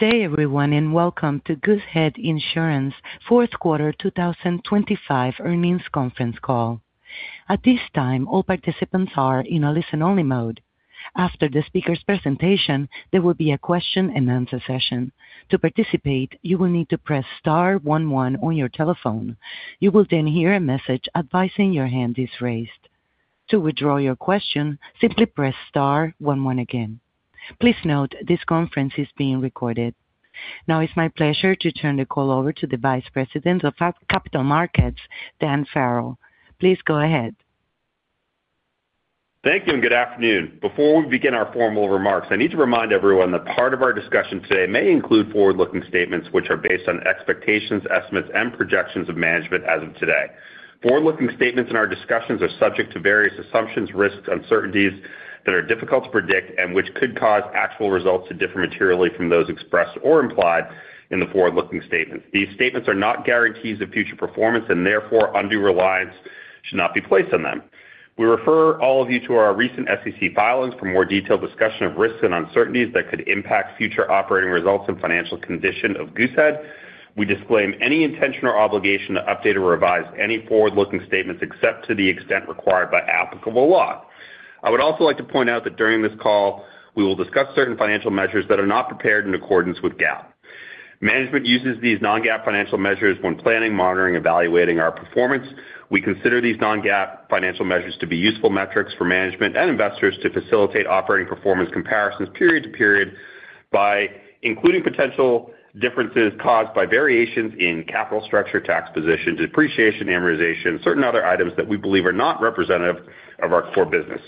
Good day, everyone, and welcome to Goosehead Insurance fourth quarter 2025 earnings conference call. At this time, all participants are in a listen-only mode. After the speaker's presentation, there will be a question-and-answer session. To participate, you will need to press star one one on your telephone. You will then hear a message advising your hand is raised. To withdraw your question, simply press star one one again. Please note, this conference is being recorded. Now it's my pleasure to turn the call over to the Vice President of Capital Markets, Dan Farrell. Please go ahead. Thank you, and good afternoon. Before we begin our formal remarks, I need to remind everyone that part of our discussion today may include forward-looking statements, which are based on expectations, estimates, and projections of management as of today. Forward-looking statements in our discussions are subject to various assumptions, risks, uncertainties that are difficult to predict and which could cause actual results to differ materially from those expressed or implied in the forward-looking statements. These statements are not guarantees of future performance and therefore undue reliance should not be placed on them. We refer all of you to our recent SEC filings for more detailed discussion of risks and uncertainties that could impact future operating results and financial condition of Goosehead. We disclaim any intention or obligation to update or revise any forward-looking statements except to the extent required by applicable law. I would also like to point out that during this call, we will discuss certain financial measures that are not prepared in accordance with GAAP. Management uses these non-GAAP financial measures when planning, monitoring, evaluating our performance. We consider these non-GAAP financial measures to be useful metrics for management and investors to facilitate operating performance comparisons period to period by including potential differences caused by variations in capital structure, tax positions, depreciation, amortization, certain other items that we believe are not representative of our core business.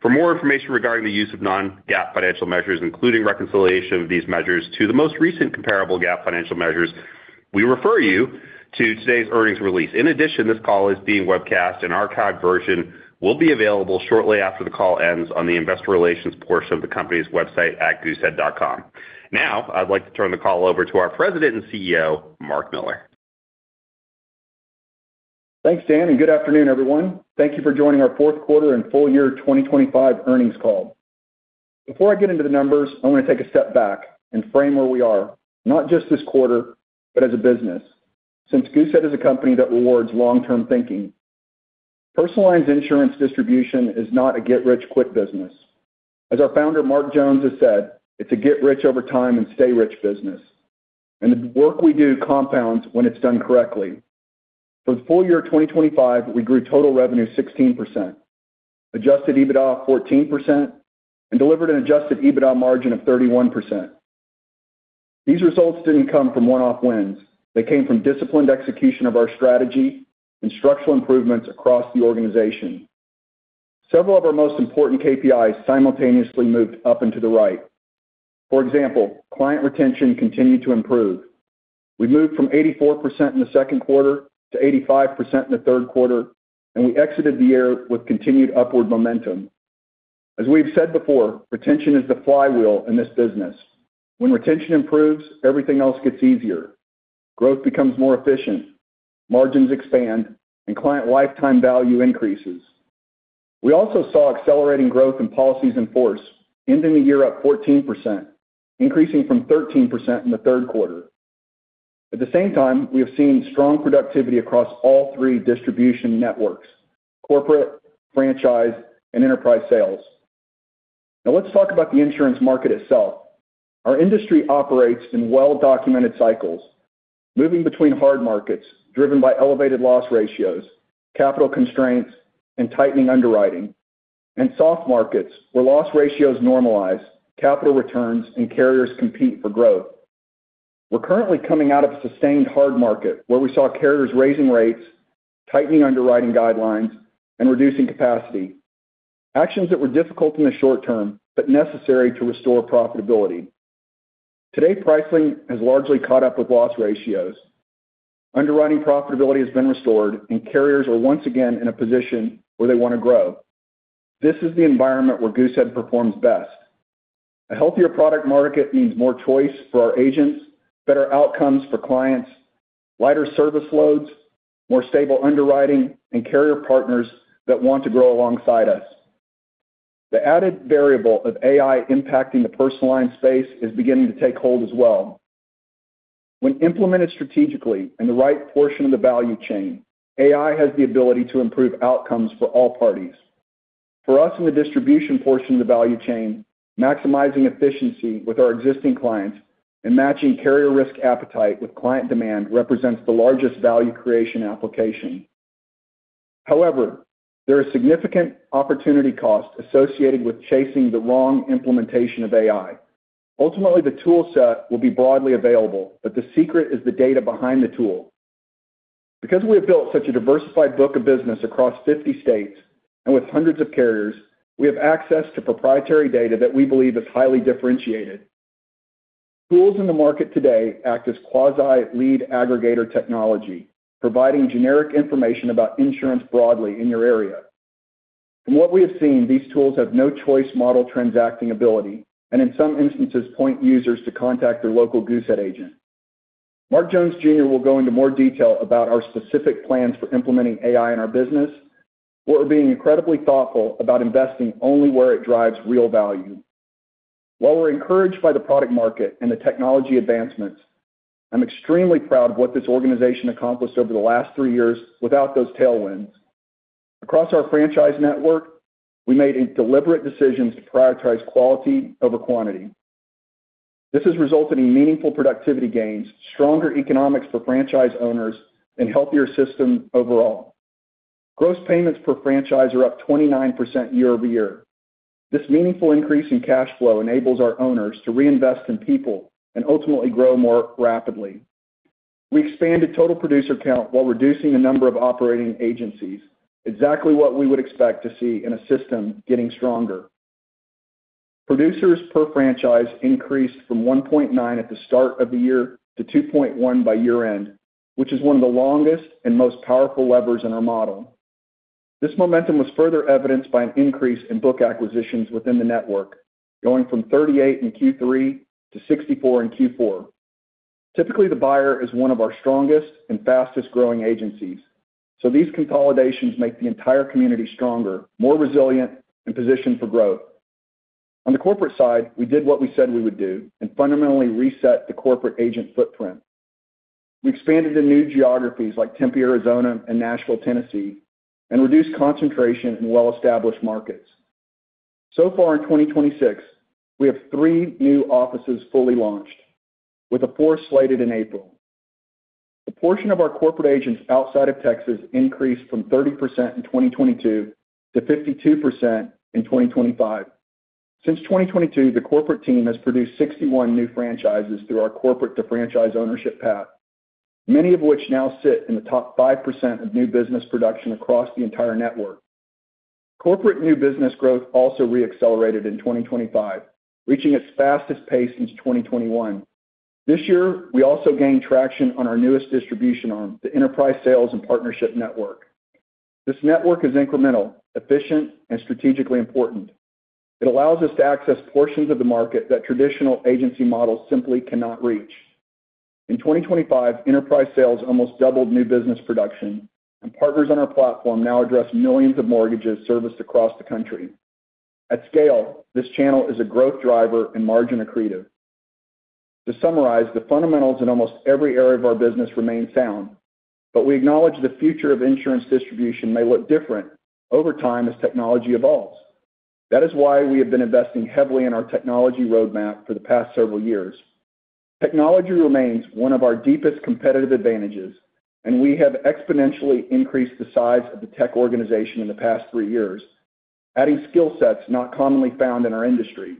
For more information regarding the use of non-GAAP financial measures, including reconciliation of these measures to the most recent comparable GAAP financial measures, we refer you to today's earnings release. In addition, this call is being webcast, and archived version will be available shortly after the call ends on the investor relations portion of the company's website at goosehead.com. Now, I'd like to turn the call over to our President and CEO, Mark Miller. Thanks, Dan, and good afternoon, everyone. Thank you for joining our fourth quarter and full year 2025 earnings call. Before I get into the numbers, I want to take a step back and frame where we are, not just this quarter, but as a business. Since Goosehead is a company that rewards long-term thinking. Personal lines insurance distribution is not a get-rich-quick business. As our founder, Mark Jones, has said, "It's a get rich over time and stay rich business," and the work we do compounds when it's done correctly. For the full year 2025, we grew total revenue 16%, Adjusted EBITDA 14%, and delivered an Adjusted EBITDA margin of 31%. These results didn't come from one-off wins. They came from disciplined execution of our strategy and structural improvements across the organization. Several of our most important KPIs simultaneously moved up and to the right. For example, client retention continued to improve. We moved from 84% in the second quarter to 85% in the third quarter, and we exited the year with continued upward momentum. As we've said before, retention is the flywheel in this business. When retention improves, everything else gets easier. Growth becomes more efficient, margins expand, and client lifetime value increases. We also saw accelerating growth in policies in force, ending the year up 14%, increasing from 13% in the third quarter. At the same time, we have seen strong productivity across all three distribution networks: corporate, franchise, and enterprise sales. Now, let's talk about the insurance market itself. Our industry operates in well-documented cycles, moving between hard markets, driven by elevated loss ratios, capital constraints, and tightening underwriting, and soft markets, where loss ratios normalize, capital returns, and carriers compete for growth. We're currently coming out of a sustained hard market, where we saw carriers raising rates, tightening underwriting guidelines, and reducing capacity. Actions that were difficult in the short term, but necessary to restore profitability. Today, pricing has largely caught up with loss ratios. Underwriting profitability has been restored, and carriers are once again in a position where they want to grow. This is the environment where Goosehead performs best. A healthier product market means more choice for our agents, better outcomes for clients, lighter service loads, more stable underwriting, and carrier partners that want to grow alongside us. The added variable of AI impacting the personal lines space is beginning to take hold as well. When implemented strategically in the right portion of the value chain, AI has the ability to improve outcomes for all parties. For us, in the distribution portion of the value chain, maximizing efficiency with our existing clients and matching carrier risk appetite with client demand represents the largest value creation application. However, there are significant opportunity costs associated with chasing the wrong implementation of AI. Ultimately, the tool set will be broadly available, but the secret is the data behind the tool. Because we have built such a diversified book of business across 50 states and with hundreds of carriers, we have access to proprietary data that we believe is highly differentiated. Tools in the market today act as quasi-lead aggregator technology, providing generic information about insurance broadly in your area. From what we have seen, these tools have no choice model transacting ability, and in some instances, point users to contact their local Goosehead agent. Will go into more detail about our specific plans for implementing AI in our business. We're being incredibly thoughtful about investing only where it drives real value. While we're encouraged by the product market and the technology advancements, I'm extremely proud of what this organization accomplished over the last three years without those tailwinds. Across our franchise network, we made a deliberate decision to prioritize quality over quantity. This has resulted in meaningful productivity gains, stronger economics for franchise owners, and healthier system overall. Gross payments per franchise are up 29% year-over-year. This meaningful increase in cash flow enables our owners to reinvest in people and ultimately grow more rapidly. We expanded total producer count while reducing the number of operating agencies, exactly what we would expect to see in a system getting stronger. Producers per franchise increased from 1.9 at the start of the year to 2.1 by year-end, which is one of the longest and most powerful levers in our model. This momentum was further evidenced by an increase in book acquisitions within the network, going from 38 in Q3 to 64 in Q4. Typically, the buyer is one of our strongest and fastest-growing agencies, so these consolidations make the entire community stronger, more resilient, and positioned for growth. On the corporate side, we did what we said we would do and fundamentally reset the corporate agent footprint. We expanded to new geographies like Tempe, Arizona, and Nashville, Tennessee, and reduced concentration in well-established markets. So far in 2026, we have three new offices fully launched, with a fourth slated in April. The portion of our corporate agents outside of Texas increased from 30% in 2022 to 52% in 2025. Since 2022, the corporate team has produced 61 new franchises through our corporate to franchise ownership path, many of which now sit in the top 5% of new business production across the entire network. Corporate new business growth also re-accelerated in 2025, reaching its fastest pace since 2021. This year, we also gained traction on our newest distribution arm, the Enterprise Sales and Partnership Network. This network is incremental, efficient, and strategically important. It allows us to access portions of the market that traditional agency models simply cannot reach. In 2025, enterprise sales almost doubled new business production, and partners on our platform now address millions of mortgages serviced across the country. At scale, this channel is a growth driver and margin accretive. To summarize, the fundamentals in almost every area of our business remain sound, but we acknowledge the future of insurance distribution may look different over time as technology evolves. That is why we have been investing heavily in our technology roadmap for the past several years. Technology remains one of our deepest competitive advantages, and we have exponentially increased the size of the tech organization in the past three years, adding skill sets not commonly found in our industry.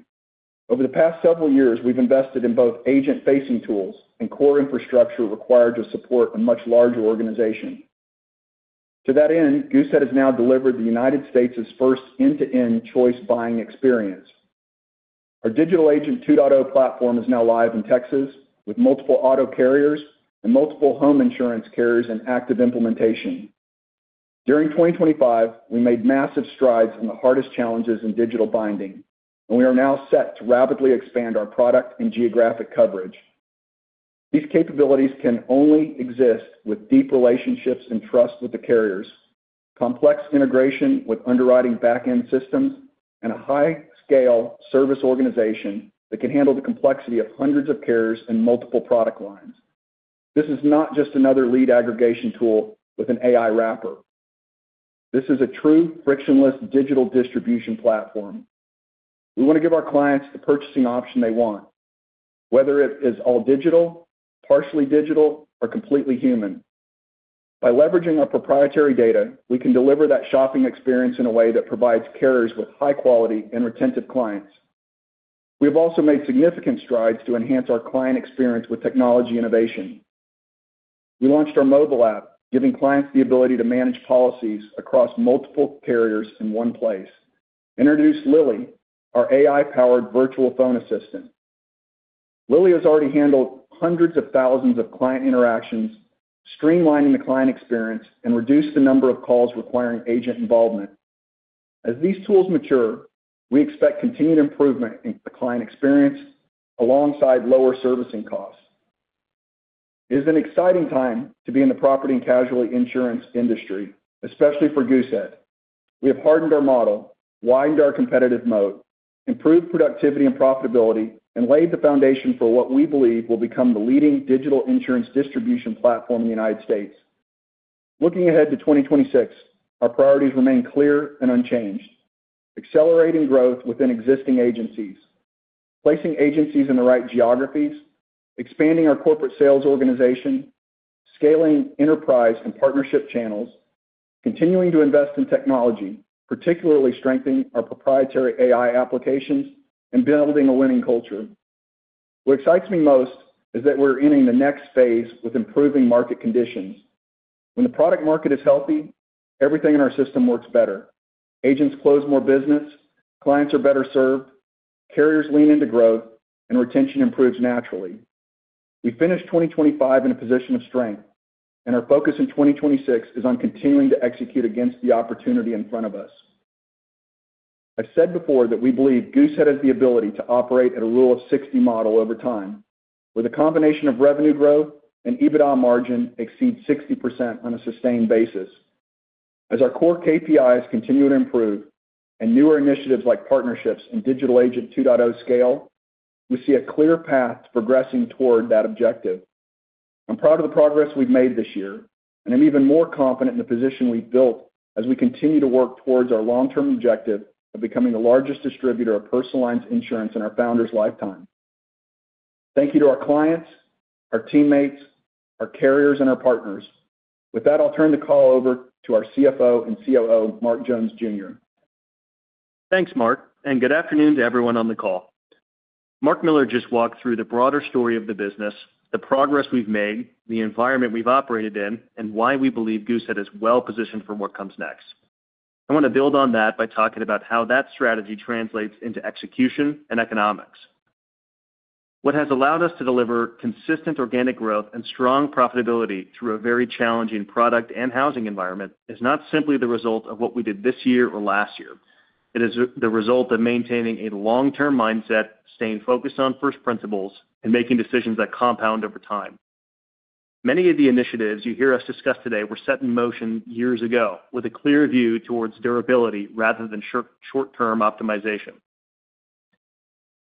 Over the past several years, we've invested in both agent-facing tools and core infrastructure required to support a much larger organization. To that end, Goosehead has now delivered the United States' first end-to-end choice buying experience. Our Digital Agent 2.0 platform is now live in Texas, with multiple auto carriers and multiple home insurance carriers in active implementation. During 2025, we made massive strides in the hardest challenges in digital binding, and we are now set to rapidly expand our product and geographic coverage. These capabilities can only exist with deep relationships and trust with the carriers, complex integration with underwriting back-end systems, and a high-scale service organization that can handle the complexity of hundreds of carriers and multiple product lines. This is not just another lead aggregation tool with an AI wrapper. This is a true frictionless digital distribution platform. We want to give our clients the purchasing option they want, whether it is all digital, partially digital, or completely human. By leveraging our proprietary data, we can deliver that shopping experience in a way that provides carriers with high quality and retentive clients. We have also made significant strides to enhance our client experience with technology innovation. We launched our mobile app, giving clients the ability to manage policies across multiple carriers in one place. Introduced Lily, our AI-powered virtual phone assistant. Lily has already handled hundreds of thousands of client interactions, streamlining the client experience, and reduced the number of calls requiring agent involvement. As these tools mature, we expect continued improvement in the client experience alongside lower servicing costs. It is an exciting time to be in the property and casualty insurance industry, especially for Goosehead. We have hardened our model, widened our competitive mode, improved productivity and profitability, and laid the foundation for what we believe will become the leading digital insurance distribution platform in the United States. Looking ahead to 2026, our priorities remain clear and unchanged: accelerating growth within existing agencies, placing agencies in the right geographies, expanding our corporate sales organization, scaling enterprise and partnership channels, continuing to invest in technology, particularly strengthening our proprietary AI applications, and building a winning culture. What excites me most is that we're entering the next phase with improving market conditions. When the product market is healthy, everything in our system works better. Agents close more business, clients are better served, carriers lean into growth, and retention improves naturally. We finished 2025 in a position of strength, and our focus in 2026 is on continuing to execute against the opportunity in front of us. I've said before that we believe Goosehead has the ability to operate at a Rule of 60 model over time, with a combination of revenue growth and EBITDA margin exceed 60% on a sustained basis. As our core KPIs continue to improve, and newer initiatives like partnerships and Digital Agent 2.0 scale, we see a clear path to progressing toward that objective. I'm proud of the progress we've made this year, and I'm even more confident in the position we've built as we continue to work towards our long-term objective of becoming the largest distributor of personal lines insurance in our founder's lifetime. Thank you to our clients, our teammates, our carriers, and our partners. With that, I'll turn the call over to our CFO and COO, Mark Jones, Jr. Thanks, Mark, and good afternoon to everyone on the call. Mark Miller just walked through the broader story of the business, the progress we've made, the environment we've operated in, and why we believe Goosehead is well positioned for what comes next. I want to build on that by talking about how that strategy translates into execution and economics. What has allowed us to deliver consistent organic growth and strong profitability through a very challenging product and housing environment is not simply the result of what we did this year or last year. It is the result of maintaining a long-term mindset, staying focused on first principles, and making decisions that compound over time. Many of the initiatives you hear us discuss today were set in motion years ago, with a clear view towards durability rather than short-term optimization.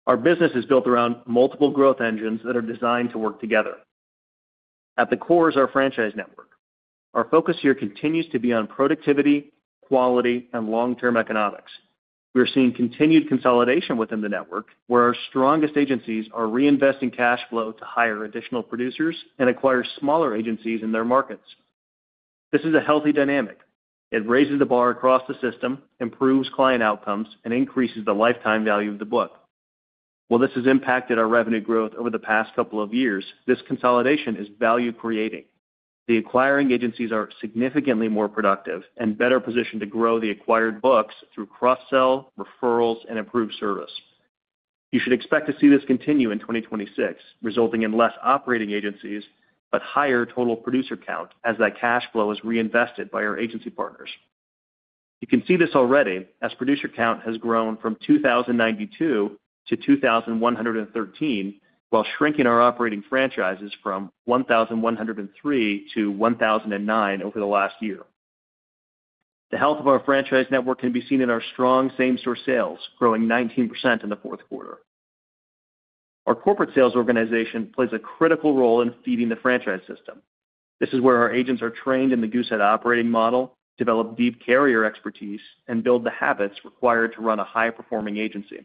Our business is built around multiple growth engines that are designed to work together. At the core is our franchise network. Our focus here continues to be on productivity, quality, and long-term economics. We are seeing continued consolidation within the network, where our strongest agencies are reinvesting cash flow to hire additional producers and acquire smaller agencies in their markets. This is a healthy dynamic. It raises the bar across the system, improves client outcomes, and increases the lifetime value of the book. While this has impacted our revenue growth over the past couple of years, this consolidation is value-creating. The acquiring agencies are significantly more productive and better positioned to grow the acquired books through cross-sell, referrals, and improved service. You should expect to see this continue in 2026, resulting in less operating agencies, but higher total producer count as that cash flow is reinvested by our agency partners. You can see this already, as producer count has grown from 2,092-2,113, while shrinking our operating franchises from 1,103-1,009 over the last year. The health of our franchise network can be seen in our strong same-store sales, growing 19% in the fourth quarter. Our corporate sales organization plays a critical role in feeding the franchise system. This is where our agents are trained in the Goosehead operating model, develop deep carrier expertise, and build the habits required to run a high-performing agency.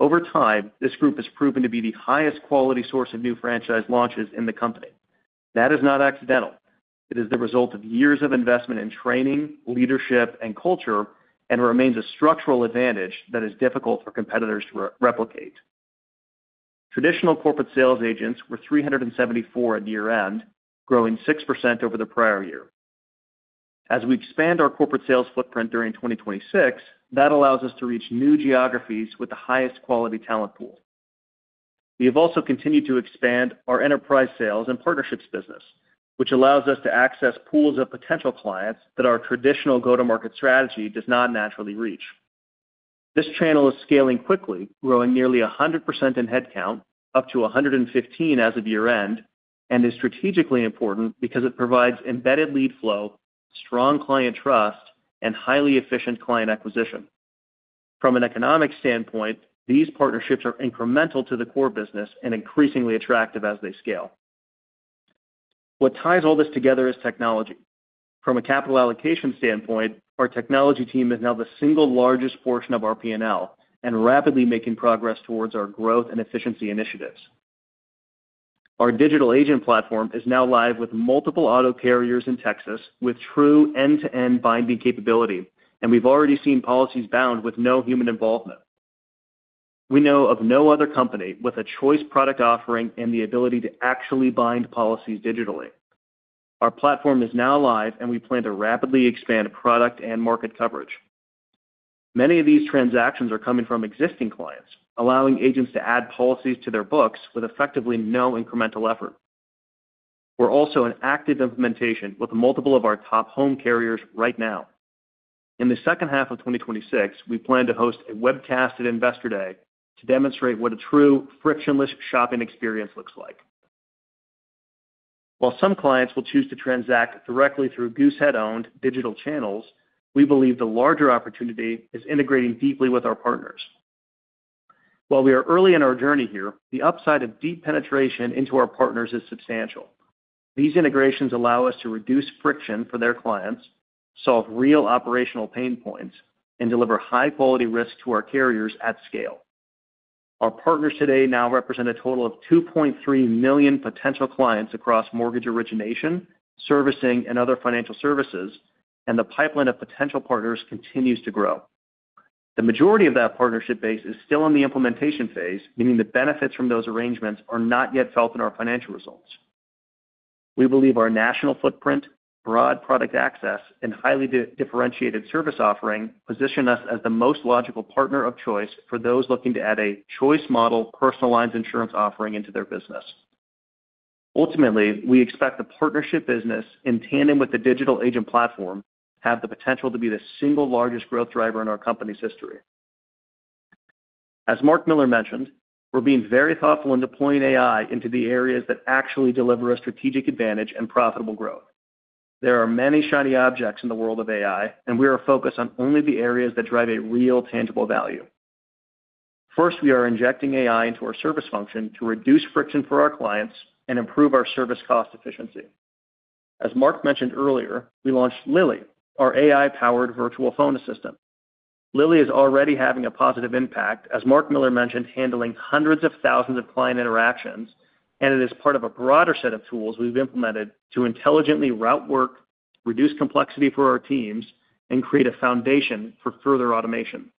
Over time, this group has proven to be the highest quality source of new franchise launches in the company. That is not accidental. It is the result of years of investment in training, leadership, and culture, and remains a structural advantage that is difficult for competitors to re-replicate. Traditional corporate sales agents were 374 at year-end, growing 6% over the prior year. As we expand our corporate sales footprint during 2026, that allows us to reach new geographies with the highest quality talent pool. We have also continued to expand our enterprise sales and partnerships business, which allows us to access pools of potential clients that our traditional go-to-market strategy does not naturally reach. This channel is scaling quickly, growing nearly 100% in headcount, up to 115 as of year-end, and is strategically important because it provides embedded lead flow, strong client trust, and highly efficient client acquisition. From an economic standpoint, these partnerships are incremental to the core business and increasingly attractive as they scale. What ties all this together is technology. From a capital allocation standpoint, our technology team is now the single largest portion of our P&L, and rapidly making progress towards our growth and efficiency initiatives. Our digital agent platform is now live with multiple auto carriers in Texas, with true end-to-end binding capability, and we've already seen policies bound with no human involvement. We know of no other company with a choice product offering and the ability to actually bind policies digitally. Our platform is now live, and we plan to rapidly expand product and market coverage. Many of these transactions are coming from existing clients, allowing agents to add policies to their books with effectively no incremental effort. We're also in active implementation with multiple of our top home carriers right now. In the second half of 2026, we plan to host a webcast at Investor Day to demonstrate what a true frictionless shopping experience looks like. While some clients will choose to transact directly through Goosehead-owned digital channels, we believe the larger opportunity is integrating deeply with our partners. While we are early in our journey here, the upside of deep penetration into our partners is substantial. These integrations allow us to reduce friction for their clients, solve real operational pain points, and deliver high-quality risk to our carriers at scale. Our partners today now represent a total of 2.3 million potential clients across mortgage origination, servicing, and other financial services, and the pipeline of potential partners continues to grow. The majority of that partnership base is still in the implementation phase, meaning the benefits from those arrangements are not yet felt in our financial results. We believe our national footprint, broad product access, and highly differentiated service offering position us as the most logical partner of choice for those looking to add a choice model, personal lines insurance offering into their business. Ultimately, we expect the partnership business, in tandem with the digital agent platform, have the potential to be the single largest growth driver in our company's history. As Mark Miller mentioned, we're being very thoughtful in deploying AI into the areas that actually deliver a strategic advantage and profitable growth. There are many shiny objects in the world of AI, and we are focused on only the areas that drive a real, tangible value. First, we are injecting AI into our service function to reduce friction for our clients and improve our service cost efficiency. As Mark mentioned earlier, we launched Lily, our AI-powered virtual phone assistant. Lily is already having a positive impact, as Mark Miller mentioned, handling hundreds of thousands of client interactions, and it is part of a broader set of tools we've implemented to intelligently route work, reduce complexity for our teams, and create a foundation for further automation.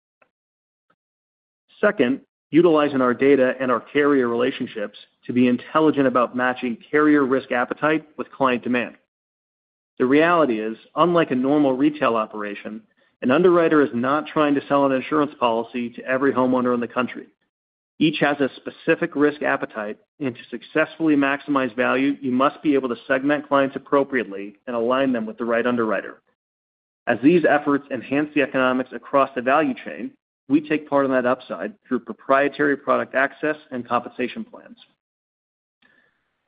Second, utilizing our data and our carrier relationships to be intelligent about matching carrier risk appetite with client demand. The reality is, unlike a normal retail operation, an underwriter is not trying to sell an insurance policy to every homeowner in the country. Each has a specific risk appetite, and to successfully maximize value, you must be able to segment clients appropriately and align them with the right underwriter. As these efforts enhance the economics across the value chain, we take part in that upside through proprietary product access and compensation plans.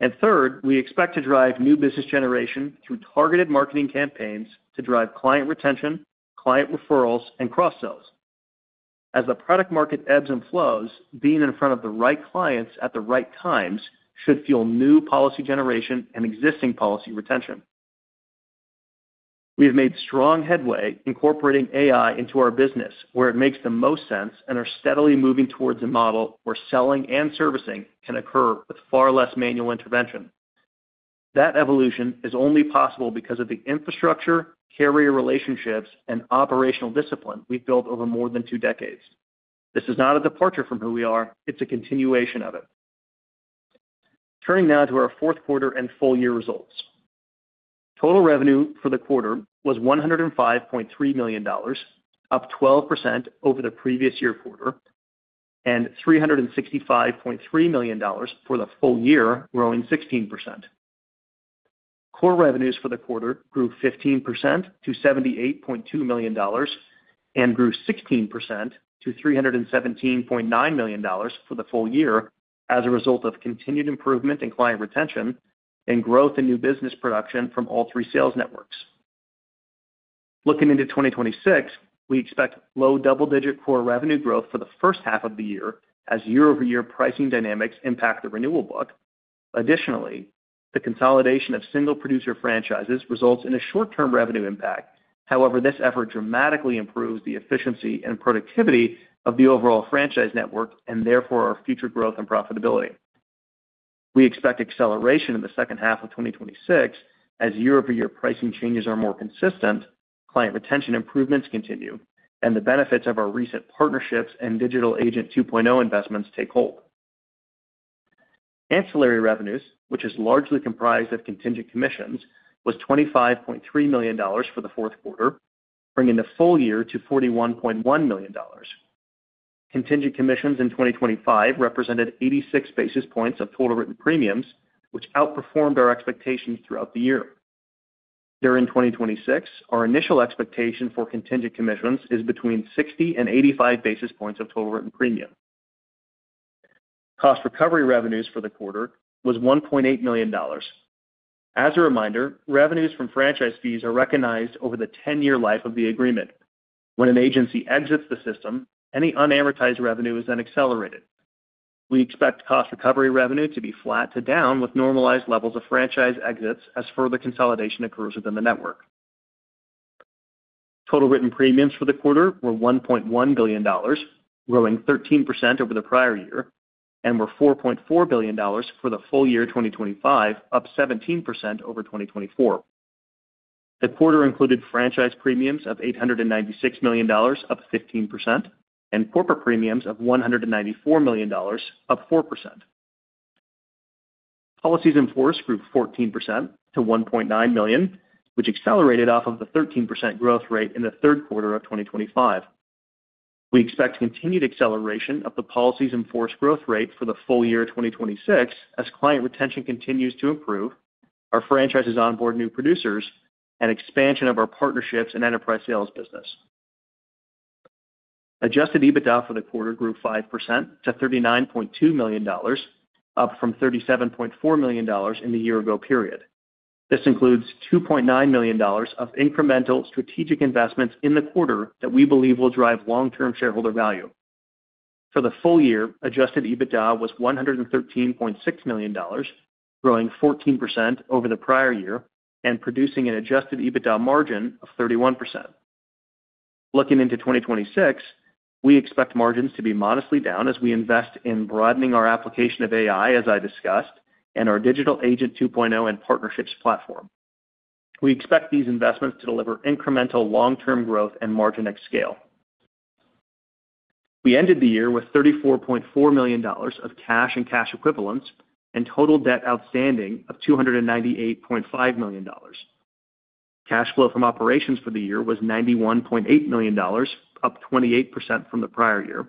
And third, we expect to drive new business generation through targeted marketing campaigns to drive client retention, client referrals, and cross-sells. As the product market ebbs and flows, being in front of the right clients at the right times should fuel new policy generation and existing policy retention. We have made strong headway incorporating AI into our business where it makes the most sense and are steadily moving towards a model where selling and servicing can occur with far less manual intervention. That evolution is only possible because of the infrastructure, carrier relationships, and operational discipline we've built over more than two decades. This is not a departure from who we are, it's a continuation of it. Turning now to our fourth quarter and full year results. Total revenue for the quarter was $105.3 million, up 12% over the previous year quarter, and $365.3 million for the full year, growing 16%. Core revenues for the quarter grew 15% to $78.2 million, and grew 16% to $317.9 million for the full year as a result of continued improvement in client retention and growth in new business production from all three sales networks. Looking into 2026, we expect low double-digit core revenue growth for the first half of the year as year-over-year pricing dynamics impact the renewal book. Additionally, the consolidation of single producer franchises results in a short-term revenue impact. However, this effort dramatically improves the efficiency and productivity of the overall franchise network and therefore our future growth and profitability. We expect acceleration in the second half of 2026 as year-over-year pricing changes are more consistent, client retention improvements continue, and the benefits of our recent partnerships and Digital Agent 2.0 investments take hold. Ancillary revenues, which is largely comprised of contingent commissions, was $25.3 million for the fourth quarter, bringing the full year to $41.1 million. Contingent commissions in 2025 represented 86 basis points of total written premiums, which outperformed our expectations throughout the year. During 2026, our initial expectation for contingent commissions is between 60 and 85 basis points of total written premium. Cost recovery revenues for the quarter was $1.8 million. As a reminder, revenues from franchise fees are recognized over the 10-year life of the agreement. When an agency exits the system, any unamortized revenue is then accelerated. We expect cost recovery revenue to be flat to down with normalized levels of franchise exits as further consolidation occurs within the network. Total written premiums for the quarter were $1.1 billion, growing 13% over the prior year, and were $4.4 billion for the full year, 2025, up 17% over 2024. The quarter included franchise premiums of $896 million, up 15%, and corporate premiums of $194 million, up 4%. Policies in force grew 14% to 1.9 million, which accelerated off of the 13% growth rate in the third quarter of 2025. We expect continued acceleration of the policies in force growth rate for the full year 2026 as client retention continues to improve, our franchises onboard new producers, and expansion of our partnerships and enterprise sales business. Adjusted EBITDA for the quarter grew 5% to $39.2 million, up from $37.4 million in the year ago period. This includes $2.9 million of incremental strategic investments in the quarter that we believe will drive long-term shareholder value. For the full year, Adjusted EBITDA was $113.6 million, growing 14% over the prior year and producing an adjusted EBITDA margin of 31%. Looking into 2026, we expect margins to be modestly down as we invest in broadening our application of AI, as I discussed, and our Digital Agent 2.0 and partnerships platform. We expect these investments to deliver incremental long-term growth and margin at scale. We ended the year with $34.4 million of cash and cash equivalents, and total debt outstanding of $298.5 million. Cash flow from operations for the year was $91.8 million, up 28% from the prior year.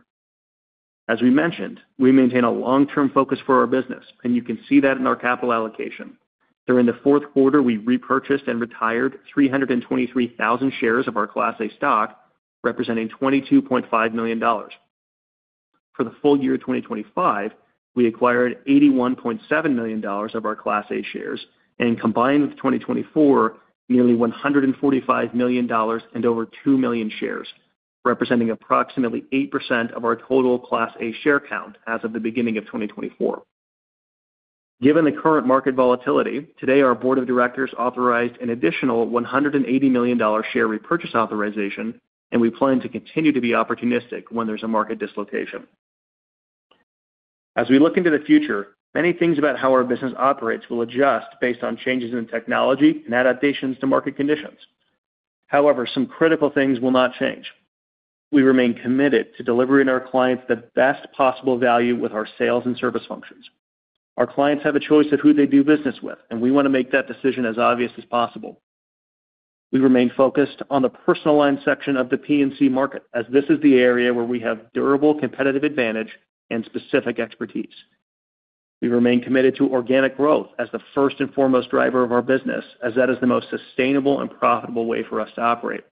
As we mentioned, we maintain a long-term focus for our business, and you can see that in our capital allocation. During the fourth quarter, we repurchased and retired 323,000 shares of our Class A stock, representing $22.5 million. For the full year, 2025, we acquired $81.7 million of our Class A shares, and combined with 2024, nearly $145 million and over 2 million shares, representing approximately 8% of our total Class A share count as of the beginning of 2024. Given the current market volatility, today, our board of directors authorized an additional $180 million share repurchase authorization, and we plan to continue to be opportunistic when there's a market dislocation. As we look into the future, many things about how our business operates will adjust based on changes in technology and adaptations to market conditions. However, some critical things will not change. We remain committed to delivering our clients the best possible value with our sales and service functions. Our clients have a choice of who they do business with, and we want to make that decision as obvious as possible. We remain focused on the personal line section of the P&C market, as this is the area where we have durable competitive advantage and specific expertise. We remain committed to organic growth as the first and foremost driver of our business, as that is the most sustainable and profitable way for us to operate.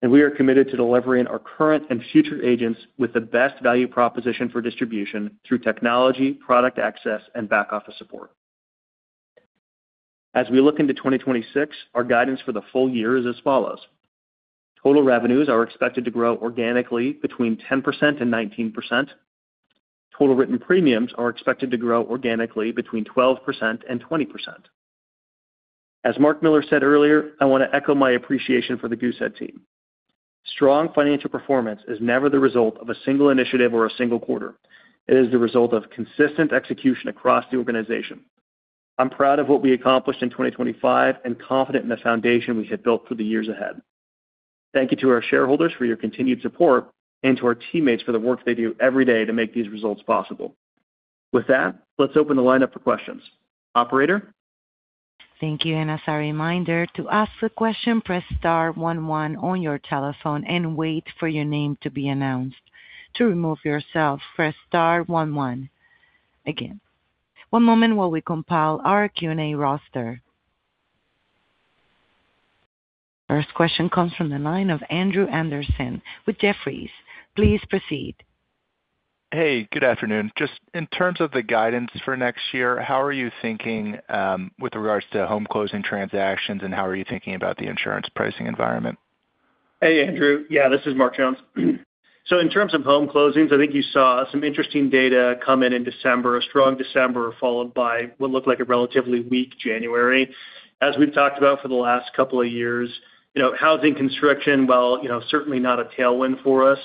We are committed to delivering our current and future agents with the best value proposition for distribution through technology, product access, and back office support. As we look into 2026, our guidance for the full year is as follows: Total revenues are expected to grow organically between 10% and 19%. Total written premiums are expected to grow organically between 12% and 20%. As Mark Miller said earlier, I want to echo my appreciation for the Goosehead team. Strong financial performance is never the result of a single initiative or a single quarter. It is the result of consistent execution across the organization. I'm proud of what we accomplished in 2025 and confident in the foundation we have built for the years ahead. Thank you to our shareholders for your continued support and to our teammates for the work they do every day to make these results possible. With that, let's open the line up for questions. Operator? Thank you. As a reminder, to ask a question, press star one one on your telephone and wait for your name to be announced. To remove yourself, press star one one again. One moment while we compile our Q&A roster. First question comes from the line of Andrew Andersen with Jefferies. Please proceed. Hey, good afternoon. Just in terms of the guidance for next year, how are you thinking with regards to home closing transactions, and how are you thinking about the insurance pricing environment? Hey, Andrew. Yeah, this is Mark Jones. In terms of home closings, I think you saw some interesting data come in in December. A strong December, followed by what looked like a relatively weak January. As we've talked about for the last couple of years, you know, housing construction, while, you know, certainly not a tailwind for us,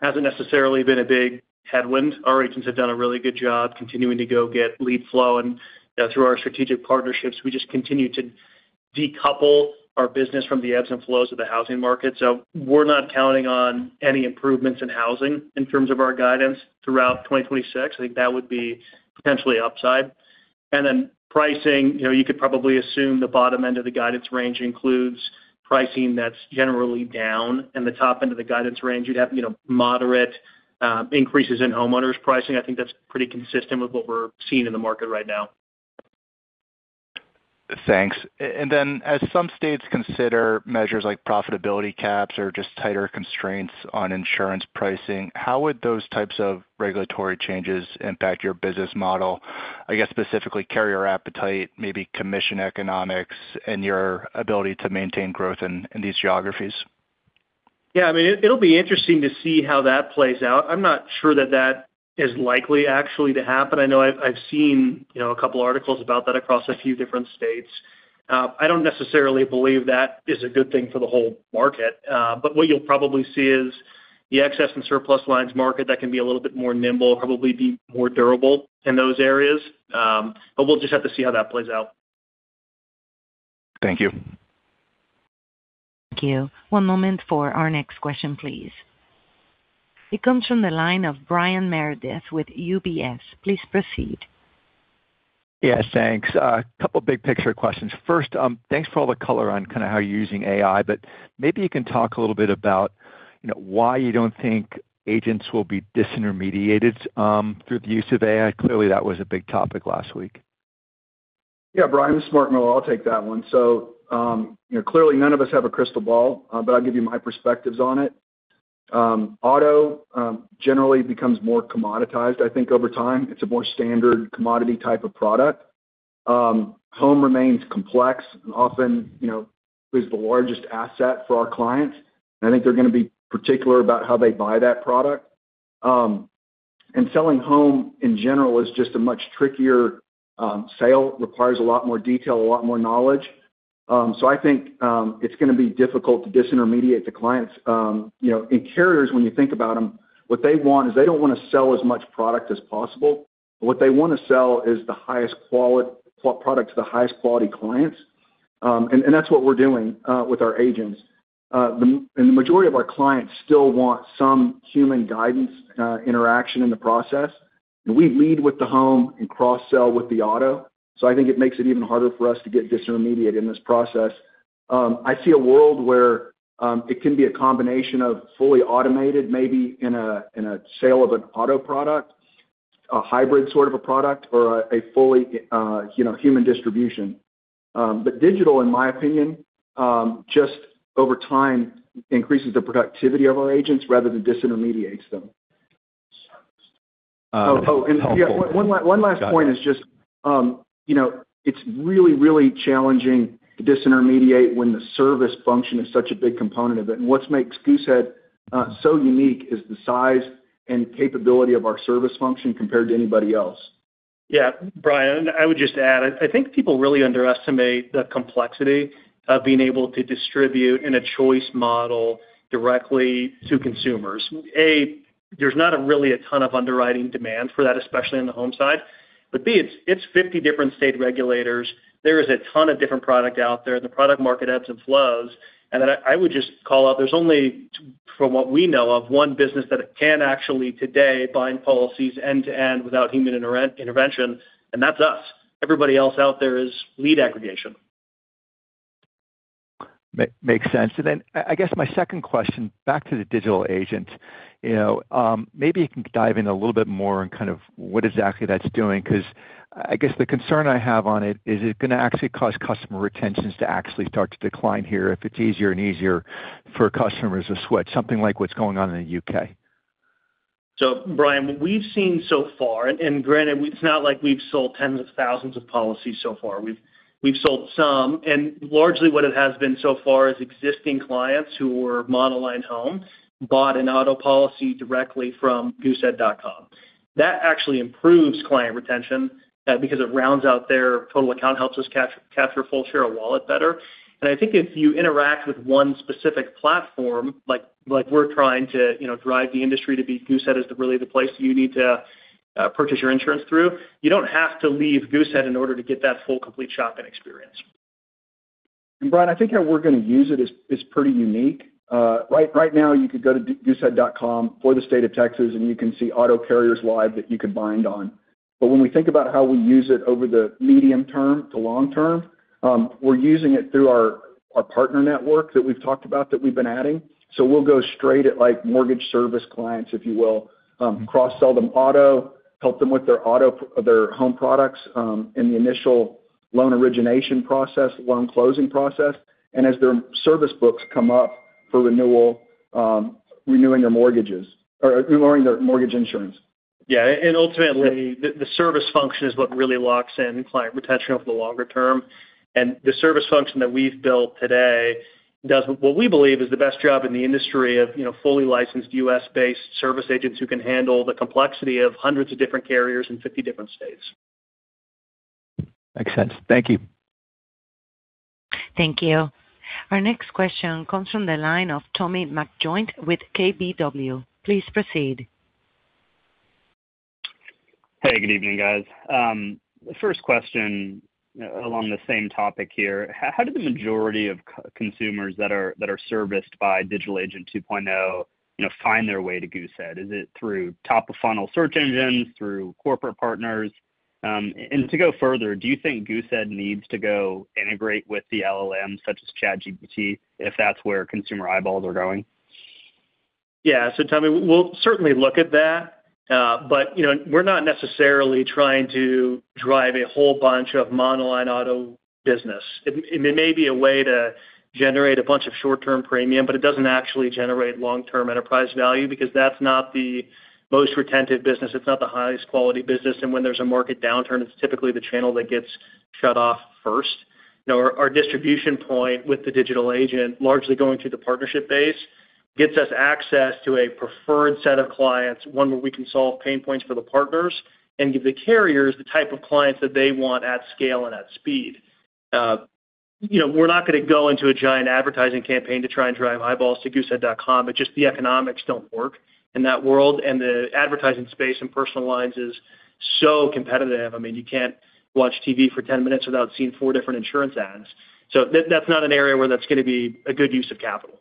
hasn't necessarily been a big headwind. Our agents have done a really good job continuing to go get lead flow, and, you know, through our strategic partnerships, we just continue to decouple our business from the ebbs and flows of the housing market. We're not counting on any improvements in housing in terms of our guidance throughout 2026. I think that would be potentially upside. And then pricing, you know, you could probably assume the bottom end of the guidance range includes pricing that's generally down, and the top end of the guidance range, you'd have, you know, moderate increases in homeowners pricing. I think that's pretty consistent with what we're seeing in the market right now. Thanks. And then, as some states consider measures like profitability caps or just tighter constraints on insurance pricing, how would those types of regulatory changes impact your business model? I guess, specifically, carrier appetite, maybe commission economics and your ability to maintain growth in these geographies. Yeah, I mean, it'll be interesting to see how that plays out. I'm not sure that that is likely actually to happen. I know I've, I've seen, you know, a couple articles about that across a few different states. I don't necessarily believe that is a good thing for the whole market, but what you'll probably see is the excess and surplus lines market, that can be a little bit more nimble, probably be more durable in those areas. But we'll just have to see how that plays out. Thank you. Thank you. One moment for our next question, please. It comes from the line of Brian Meredith with UBS. Please proceed. Yeah, thanks. A couple big picture questions. First, thanks for all the color on kind of how you're using AI, but maybe you can talk a little bit about, you know, why you don't think agents will be disintermediated through the use of AI. Clearly, that was a big topic last week. Yeah, Brian, this is Mark Miller. I'll take that one. So, you know, clearly none of us have a crystal ball, but I'll give you my perspectives on it. Auto, generally becomes more commoditized, I think, over time. It's a more standard commodity type of product. Home remains complex and often, you know, is the largest asset for our clients. I think they're going to be particular about how they buy that product. And selling home, in general, is just a much trickier, sale. Requires a lot more detail, a lot more knowledge. So I think, it's going to be difficult to disintermediate the clients. You know, and carriers, when you think about them, what they want is they don't want to sell as much product as possible. What they want to sell is the highest quality product to the highest quality clients. And that's what we're doing with our agents. And the majority of our clients still want some human guidance, interaction in the process. And we lead with the home and cross-sell with the auto. So I think it makes it even harder for us to get disintermediated in this process. I see a world where it can be a combination of fully automated, maybe in a sale of an auto product, a hybrid sort of a product, or a fully, you know, human distribution. But digital, in my opinion, just over time, increases the productivity of our agents rather than disintermediates them. And one last point is just, you know, it's really, really challenging to disintermediate when the service function is such a big component of it. What makes Goosehead so unique is the size and capability of our service function compared to anybody else. Yeah, Brian, I would just add, I think people really underestimate the complexity of being able to distribute in a choice model directly to consumers. A, there's not really a ton of underwriting demand for that, especially on the home side. But B, it's, it's 50 different state regulators. There is a ton of different product out there, and the product market ebbs and flows. And then I, I would just call out, there's only, from what we know of, one business that can actually today, bind policies end-to-end without human intervention, and that's us. Everybody else out there is lead aggregation. Makes sense. And then I guess my second question, back to the Digital Agent. You know, maybe you can dive in a little bit more on kind of what exactly that's doing, 'cause I guess the concern I have on it is it gonna actually cause customer retentions to actually start to decline here if it's easier and easier for customers to switch, something like what's going on in the U.K.? So, Brian, what we've seen so far, and granted, it's not like we've sold tens of thousands of policies so far. We've sold some, and largely what it has been so far is existing clients who were monoline home, bought an auto policy directly from Goosehead.com. That actually improves client retention, because it rounds out their total account, helps us capture a full share of wallet better. And I think if you interact with one specific platform, like we're trying to, you know, drive the industry to be Goosehead is the really the place you need to purchase your insurance through, you don't have to leave Goosehead in order to get that full, complete shopping experience. And Brian, I think how we're gonna use it is pretty unique. Right now, you could go to goosehead.com for the state of Texas, and you can see auto carriers live that you could bind on. But when we think about how we use it over the medium term to long term, we're using it through our partner network that we've talked about, that we've been adding. So we'll go straight at, like, mortgage service clients, if you will, cross-sell them auto, help them with their auto- their home products, in the initial loan origination process, loan closing process, and as their service books come up for renewal, renewing their mortgages, or renewing their mortgage insurance. Yeah, and ultimately, the service function is what really locks in client retention over the longer term. And the service function that we've built today does what we believe is the best job in the industry of, you know, fully licensed U.S.-based service agents who can handle the complexity of hundreds of different carriers in 50 different states. Makes sense. Thank you. Thank you. Our next question comes from the line of Tommy McJoynt with KBW. Please proceed. Hey, good evening, guys. The first question, along the same topic here, how did the majority of consumers that are serviced by Digital Agent 2.0, you know, find their way to Goosehead? Is it through top-of-funnel search engines, through corporate partners? And to go further, do you think Goosehead needs to go integrate with the LLM, such as ChatGPT, if that's where consumer eyeballs are going? Yeah. So, Tommy, we'll certainly look at that, but, you know, we're not necessarily trying to drive a whole bunch of monoline auto business. It may be a way to generate a bunch of short-term premium, but it doesn't actually generate long-term enterprise value because that's not the most retentive business. It's not the highest quality business, and when there's a market downturn, it's typically the channel that gets shut off first. Now, our distribution point with the digital agent, largely going through the partnership base, gets us access to a preferred set of clients, one where we can solve pain points for the partners and give the carriers the type of clients that they want at scale and at speed. You know, we're not gonna go into a giant advertising campaign to try and drive eyeballs to Goosehead.com, but just the economics don't work in that world, and the advertising space and personal lines is so competitive. I mean, you can't watch TV for 10 minutes without seeing four different insurance ads. So that's not an area where that's gonna be a good use of capital.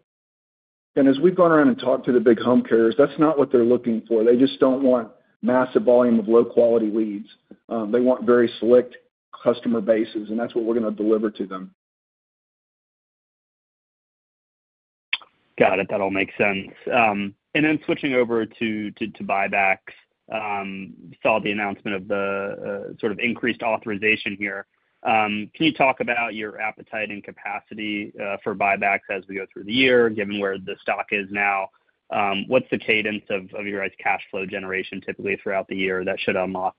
As we've gone around and talked to the big home carriers, that's not what they're looking for. They just don't want massive volume of low-quality leads. They want very select customer bases, and that's what we're gonna deliver to them. Got it. That all makes sense. And then switching over to buybacks, saw the announcement of the sort of increased authorization here. Can you talk about your appetite and capacity for buybacks as we go through the year, given where the stock is now? What's the cadence of your guys' cash flow generation, typically, throughout the year that should unlock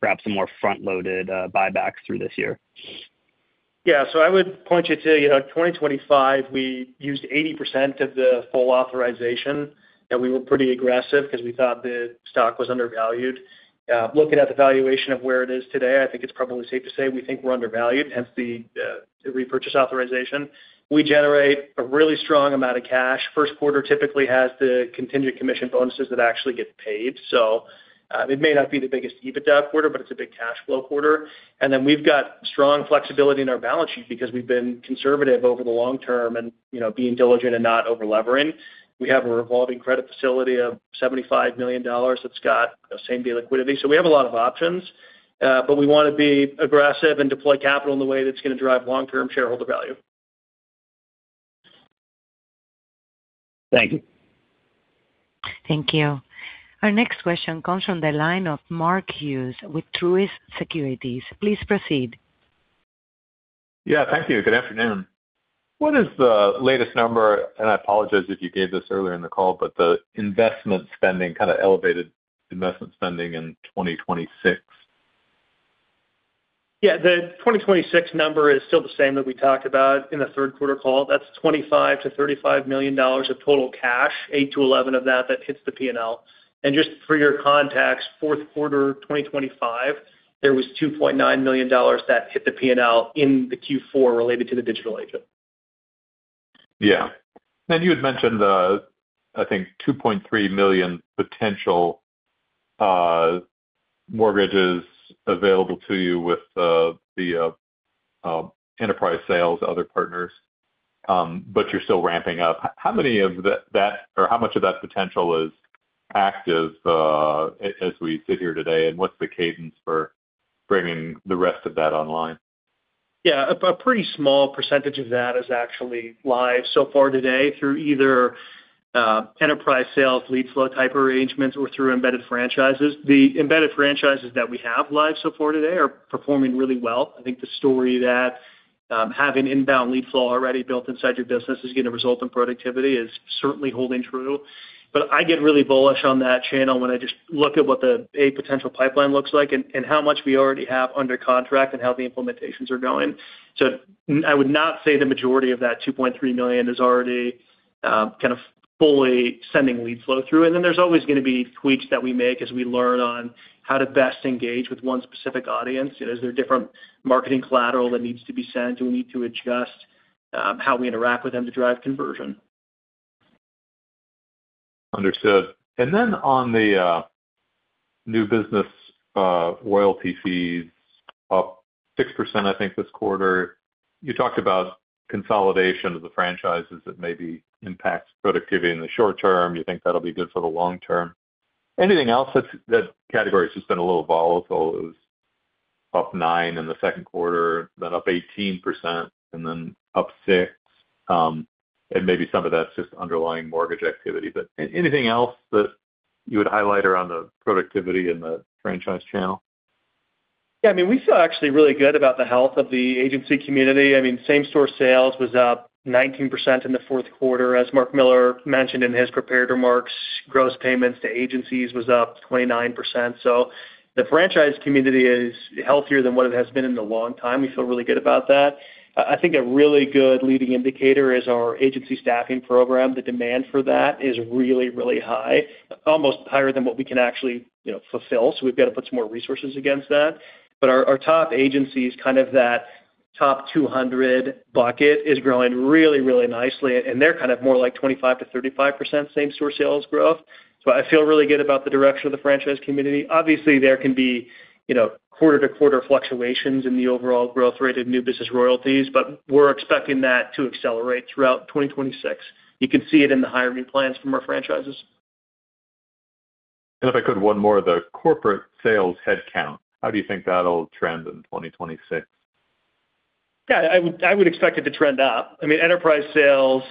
perhaps some more front-loaded buybacks through this year? Yeah. So I would point you to, you know, 2025, we used 80% of the full authorization, and we were pretty aggressive because we thought the stock was undervalued. Looking at the valuation of where it is today, I think it's probably safe to say we think we're undervalued, hence the repurchase authorization. We generate a really strong amount of cash. First quarter typically has the contingent commission bonuses that actually get paid. So, it may not be the biggest EBITDA quarter, but it's a big cash flow quarter. And then we've got strong flexibility in our balance sheet because we've been conservative over the long term and, you know, being diligent and not over-levering. We have a revolving credit facility of $75 million that's got same-day liquidity. So we have a lot of options, but we wanna be aggressive and deploy capital in the way that's gonna drive long-term shareholder value. Thank you. Thank you. Our next question comes from the line of Mark Hughes with Truist Securities. Please proceed. Yeah, thank you. Good afternoon. What is the latest number, and I apologize if you gave this earlier in the call, but the investment spending, kind of elevated investment spending in 2026? Yeah, the 2026 number is still the same that we talked about in the third quarter call. That's $25 million-$35 million of total cash, 8-11 of that, that hits the P&L. And just for your context, fourth quarter 2025, there was $2.9 million that hit the P&L in the Q4 related to the digital agent. Yeah. You had mentioned the, I think, 2.3 million potential mortgages available to you with the enterprise sales, other partners, but you're still ramping up. How many of that, or how much of that potential is active, as we sit here today? What's the cadence for bringing the rest of that online? Yeah. A pretty small percentage of that is actually live so far today through either enterprise sales, lead flow type arrangements, or through embedded franchises. The embedded franchises that we have live so far today are performing really well. I think the story that having inbound lead flow already built inside your business is going to result in productivity is certainly holding true. But I get really bullish on that channel when I just look at what the potential pipeline looks like and how much we already have under contract and how the implementations are going. So I would not say the majority of that $2.3 million is already kind of fully sending lead flow through. And then there's always going to be tweaks that we make as we learn on how to best engage with one specific audience. Is there different marketing collateral that needs to be sent? Do we need to adjust, how we interact with them to drive conversion? Understood. Then on the new business royalty fees, up 6%, I think, this quarter. You talked about consolidation of the franchises that maybe impacts productivity in the short term. You think that'll be good for the long term. Anything else? That category has just been a little volatile. It was up 9% in the second quarter, then up 18%, and then up 6%. And maybe some of that's just underlying mortgage activity, but anything else that you would highlight around the productivity in the franchise channel? Yeah, I mean, we feel actually really good about the health of the agency community. I mean, same-store sales was up 19% in the fourth quarter. As Mark Miller mentioned in his prepared remarks, gross payments to agencies was up 29%. So the franchise community is healthier than what it has been in a long time. We feel really good about that. I, I think a really good leading indicator is our agency staffing program. The demand for that is really, really high, almost higher than what we can actually, you know, fulfill. So we've got to put some more resources against that. But our, our top agencies, kind of that top 200 bucket, is growing really, really nicely, and they're kind of more like 25%-35% same-store sales growth. So I feel really good about the direction of the franchise community. Obviously, there can be, you know, quarter-to-quarter fluctuations in the overall growth rate of new business royalties, but we're expecting that to accelerate throughout 2026. You can see it in the hiring plans from our franchises. If I could, one more, the corporate sales headcount, how do you think that'll trend in 2026? Yeah, I would, I would expect it to trend up. I mean, enterprise sales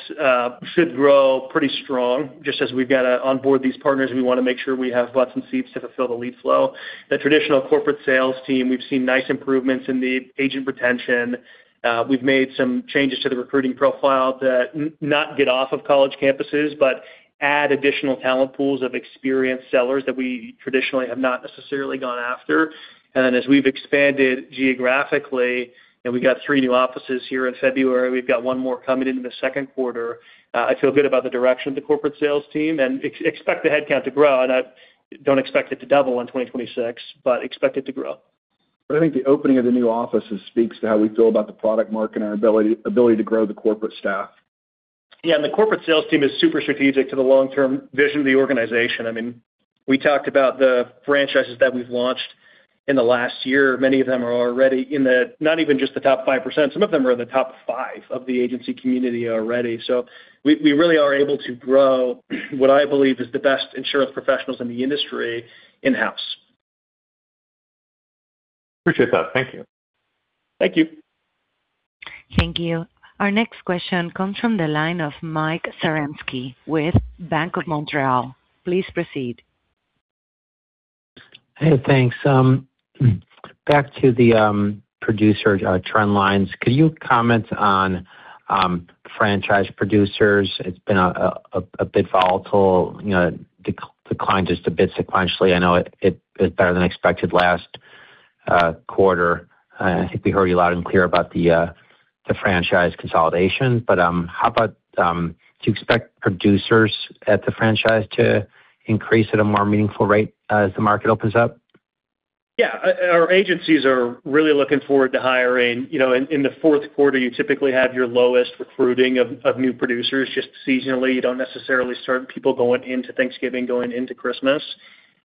should grow pretty strong. Just as we've got to onboard these partners, we want to make sure we have butts and seats to fulfill the lead flow. The traditional corporate sales team, we've seen nice improvements in the agent retention. We've made some changes to the recruiting profile that not get off of college campuses, but add additional talent pools of experienced sellers that we traditionally have not necessarily gone after. And then as we've expanded geographically, and we got three new offices here in February, we've got one more coming in in the second quarter, I feel good about the direction of the corporate sales team and expect the headcount to grow. And I don't expect it to double in 2026, but expect it to grow. But I think the opening of the new offices speaks to how we feel about the product market and our ability to grow the corporate staff. Yeah, and the corporate sales team is super strategic to the long-term vision of the organization. I mean, we talked about the franchises that we've launched in the last year. Many of them are already in the... Not even just the top five percent, some of them are in the top five of the agency community already. So we, we really are able to grow what I believe is the best insurance professionals in the industry in-house. Appreciate that. Thank you. Thank you. Thank you. Our next question comes from the line of Mike Zaremski with Bank of Montreal. Please proceed. Hey, thanks. Back to the producer trend lines. Could you comment on franchise producers? It's been a bit volatile, you know, declined just a bit sequentially. I know it is better than expected last quarter. I think we heard you loud and clear about the franchise consolidation. But how about do you expect producers at the franchise to increase at a more meaningful rate as the market opens up? Yeah. Our agencies are really looking forward to hiring. You know, in the fourth quarter, you typically have your lowest recruiting of new producers, just seasonally. You don't necessarily start people going into Thanksgiving, going into Christmas.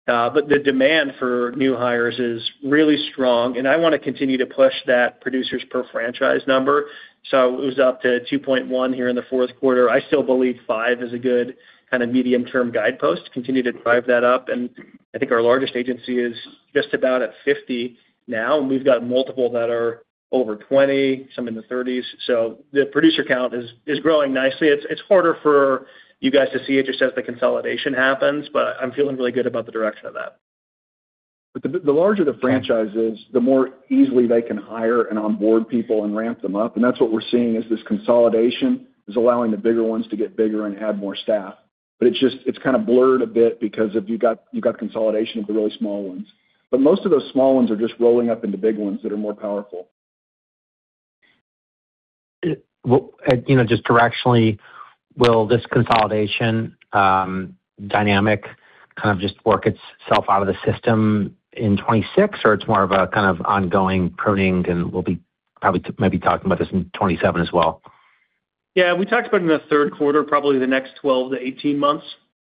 But the demand for new hires is really strong, and I want to continue to push that producers per franchise number. So it was up to 2.1 here in the fourth quarter. I still believe five is a good kind of medium-term guidepost, continue to drive that up. And I think our largest agency is just about at 50 now, and we've got multiple that are over 20, some in the 30s. So the producer count is growing nicely. It's harder for you guys to see it just as the consolidation happens, but I'm feeling really good about the direction of that. But the larger the franchise is, the more easily they can hire and onboard people and ramp them up. And that's what we're seeing: this consolidation is allowing the bigger ones to get bigger and add more staff. But it's just—it's kind of blurred a bit because if you got consolidation of the really small ones. But most of those small ones are just rolling up into big ones that are more powerful. Well, you know, just directionally, will this consolidation dynamic kind of just work itself out of the system in 2026, or it's more of a kind of ongoing pruning, and we'll be probably maybe talking about this in 2027 as well? Yeah, we talked about in the third quarter, probably the next 12-18 months.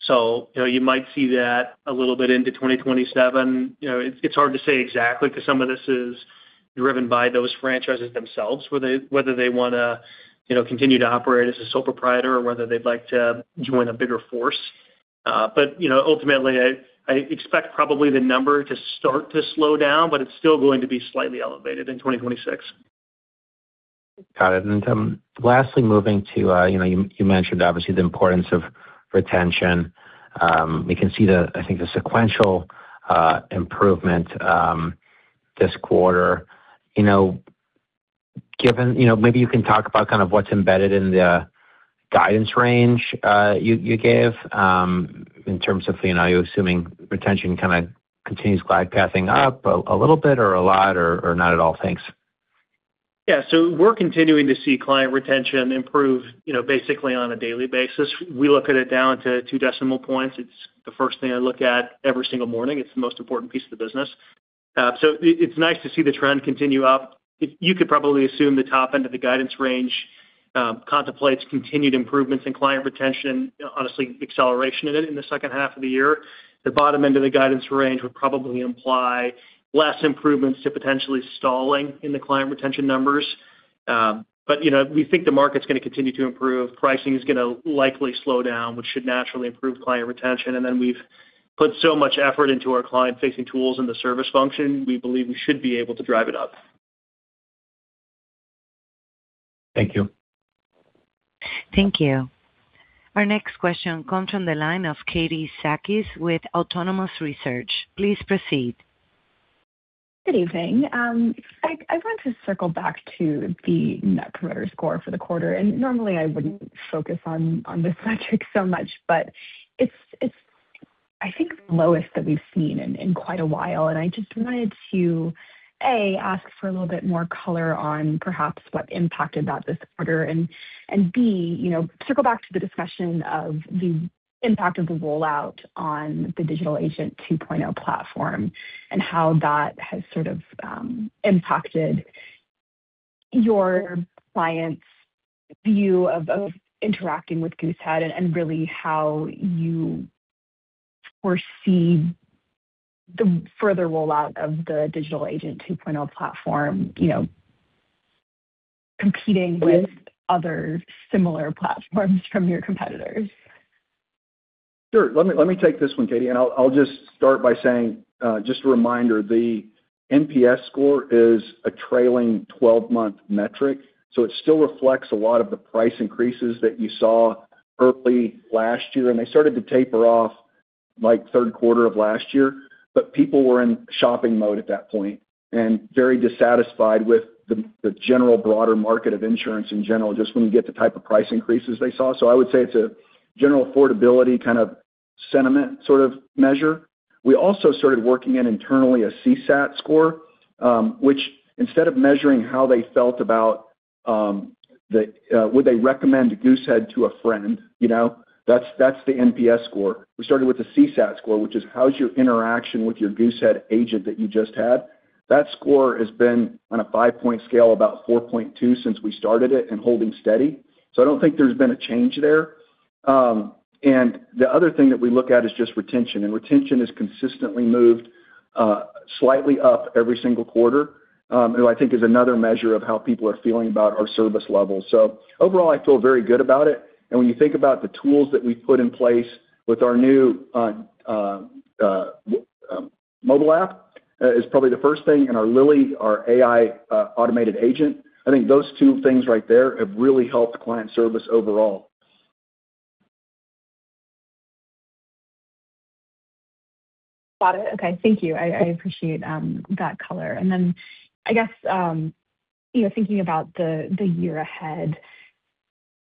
So, you know, you might see that a little bit into 2027. You know, it, it's hard to say exactly, 'cause some of this is driven by those franchises themselves, whether they, whether they want to, you know, continue to operate as a sole proprietor or whether they'd like to join a bigger force. But, you know, ultimately, I, I expect probably the number to start to slow down, but it's still going to be slightly elevated in 2026. Got it. Lastly, moving to, you know, you mentioned obviously the importance of retention. We can see the, I think, the sequential improvement this quarter. You know, given. You know, maybe you can talk about kind of what's embedded in the guidance range, you gave, in terms of, you assuming retention kind of continues glide pathing up a little bit or a lot, or not at all? Thanks. Yeah, so we're continuing to see client retention improve, you know, basically on a daily basis. We look at it down to two decimal points. It's the first thing I look at every single morning. It's the most important piece of the business. So it, it's nice to see the trend continue up. You could probably assume the top end of the guidance range contemplates continued improvements in client retention, honestly, acceleration in it in the second half of the year. The bottom end of the guidance range would probably imply less improvements to potentially stalling in the client retention numbers. But, you know, we think the market's going to continue to improve. Pricing is going to likely slow down, which should naturally improve client retention. And then we've put so much effort into our client-facing tools and the service function. We believe we should be able to drive it up. Thank you. Thank you. Our next question comes from the line of Katie Sakys with Autonomous Research. Please proceed. Good evening. I want to circle back to the Net Promoter Score for the quarter, and normally I wouldn't focus on this metric so much, but it's, I think, the lowest that we've seen in quite a while. And I just wanted to, A, ask for a little bit more color on perhaps what impacted that this quarter. And B, you know, circle back to the discussion of the impact of the rollout on the Digital Agent 2.0 platform, and how that has sort of impacted your clients' view of interacting with Goosehead, and really, how you foresee the further rollout of the Digital Agent 2.0 platform, you know, competing with other similar platforms from your competitors. Sure. Let me, let me take this one, Katie, and I'll, I'll just start by saying, just a reminder, the NPS score is a trailing twelve-month metric, so it still reflects a lot of the price increases that you saw early last year, and they started to taper off, like, third quarter of last year. But people were in shopping mode at that point and very dissatisfied with the general broader market of insurance in general, just when you get the type of price increases they saw. So I would say it's a general affordability kind of sentiment sort of measure. We also started working in internally a CSAT score, which instead of measuring how they felt about the would they recommend Goosehead to a friend, you know, that's, that's the NPS score. We started with the CSAT score, which is, how's your interaction with your Goosehead agent that you just had? That score has been, on a 5-point scale, about 4.2 since we started it and holding steady. So I don't think there's been a change there. And the other thing that we look at is just retention, and retention has consistently moved, slightly up every single quarter, which I think is another measure of how people are feeling about our service level. So overall, I feel very good about it. And when you think about the tools that we've put in place with our new, mobile app, is probably the first thing, and our Lily, our AI, automated agent, I think those two things right there have really helped client service overall. Got it. Okay, thank you. I appreciate that color. And then I guess, you know, thinking about the year ahead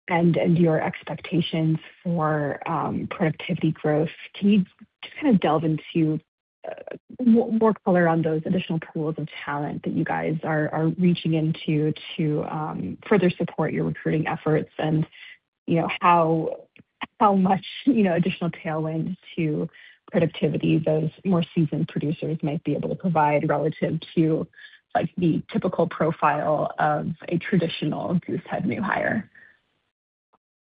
and your expectations for productivity growth, can you just kind of delve into more color on those additional pools of talent that you guys are reaching into to further support your recruiting efforts? And, you know, how much, you know, additional tailwinds to productivity those more seasoned producers might be able to provide relative to, like, the typical profile of a traditional Goosehead new hire?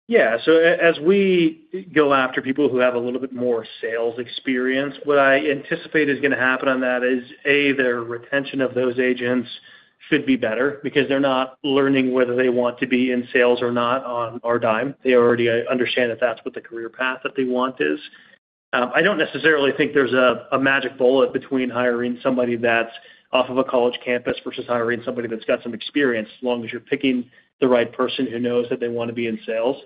Yeah. So as we go after people who have a little bit more sales experience, what I anticipate is going to happen on that is, A, their retention of those agents should be better because they're not learning whether they want to be in sales or not on our dime. They already understand that that's what the career path that they want is. I don't necessarily think there's a magic bullet between hiring somebody that's off of a college campus versus hiring somebody that's got some experience, as long as you're picking the right person who knows that they want to be in sales.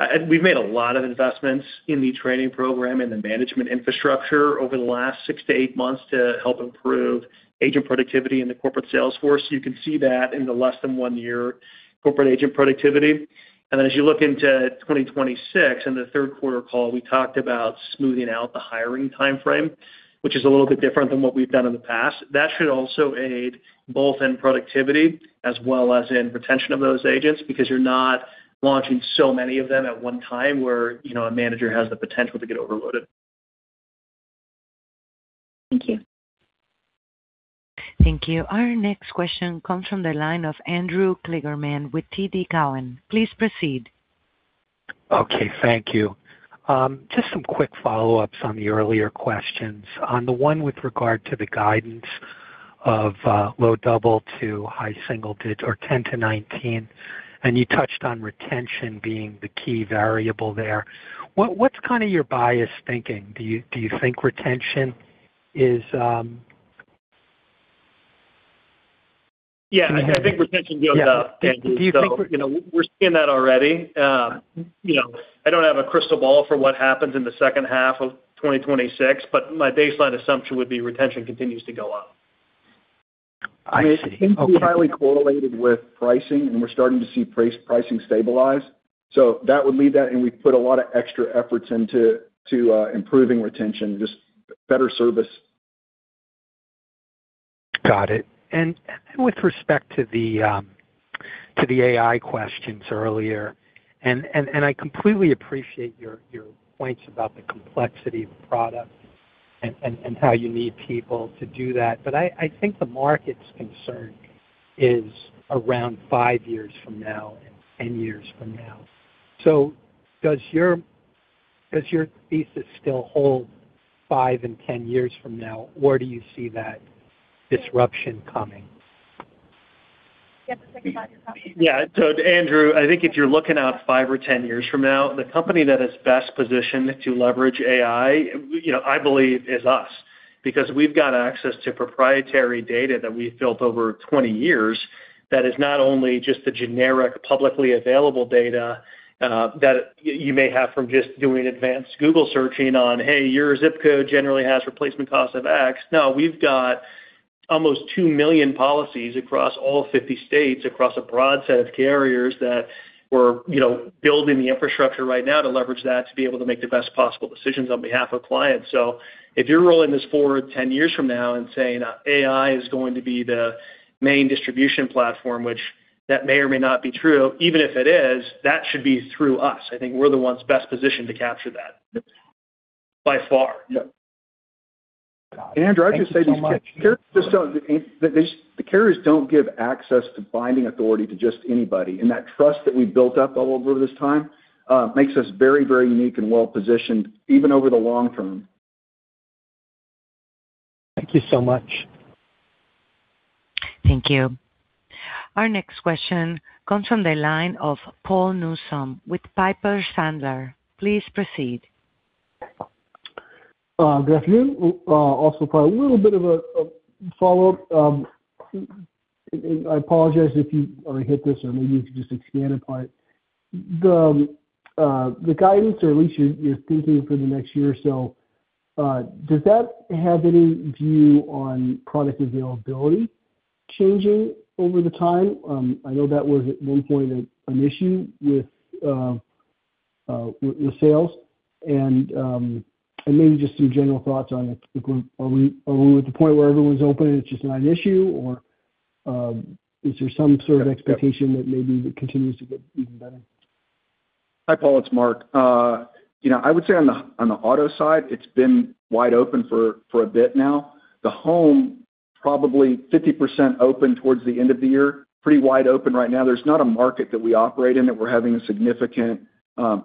And we've made a lot of investments in the training program and the management infrastructure over the last 6-8 months to help improve agent productivity in the corporate sales force. You can see that in the less than 1 year corporate agent productivity. And then as you look into 2026, in the third quarter call, we talked about smoothing out the hiring timeframe, which is a little bit different than what we've done in the past. That should also aid both in productivity as well as in retention of those agents, because you're not launching so many of them at one time, where, you know, a manager has the potential to get overloaded. Thank you. Thank you. Our next question comes from the line of Andrew Kligerman with TD Cowen. Please proceed. Okay, thank you. Just some quick follow-ups on the earlier questions. On the one with regard to the guidance of low double- to high single-digits or 10-19, and you touched on retention being the key variable there. What is kind of your bias thinking? Do you think retention is Yeah, I think retention goes up. Do you think- You know, we're seeing that already. You know, I don't have a crystal ball for what happens in the second half of 2026, but my baseline assumption would be retention continues to go up. I see. It seems to be highly correlated with pricing, and we're starting to see pricing stabilize. So that would lead that, and we've put a lot of extra efforts into improving retention, just better service. Got it. With respect to the AI questions earlier, I completely appreciate your points about the complexity of the product and how you need people to do that. But I think the market's concern is around five years from now and 10 years from now. So does your thesis still hold five and 10 years from now? Where do you see that disruption coming? You have to think about your company. Yeah. So Andrew, I think if you're looking out five or 10 years from now, the company that is best positioned to leverage AI, you know, I believe, is us. Because we've got access to proprietary data that we've built over 20 years that is not only just the generic, publicly available data, that you may have from just doing advanced Google searching on, hey, your ZIP code generally has replacement costs of X. No, we've got almost 2 million policies across all 50 states, across a broad set of carriers that we're, you know, building the infrastructure right now to leverage that, to be able to make the best possible decisions on behalf of clients. So if you're rolling this forward 10 years from now and saying, AI is going to be the main distribution platform, which that may or may not be true, even if it is, that should be through us. I think we're the ones best positioned to capture that, by far. Yeah. Andrew, I just say this, carriers, just so the carriers don't give access to binding authority to just anybody, and that trust that we've built up all over this time makes us very, very unique and well positioned, even over the long term. Thank you so much. Thank you. Our next question comes from the line of Paul Newsome with Piper Sandler. Please proceed. Good afternoon. Also Paul, a little bit of a follow-up. I apologize if you already hit this, or maybe you could just expand upon it. The guidance, or at least your thinking for the next year or so, does that have any view on product availability changing over the time? I know that was at one point an issue with sales and maybe just some general thoughts on it. Are we at the point where everyone's open and it's just not an issue? Or, is there some sort of expectation that maybe it continues to get even better? Hi, Paul, it's Mark. You know, I would say on the, on the auto side, it's been wide open for, for a bit now. The home, probably 50% open towards the end of the year, pretty wide open right now. There's not a market that we operate in, that we're having a significant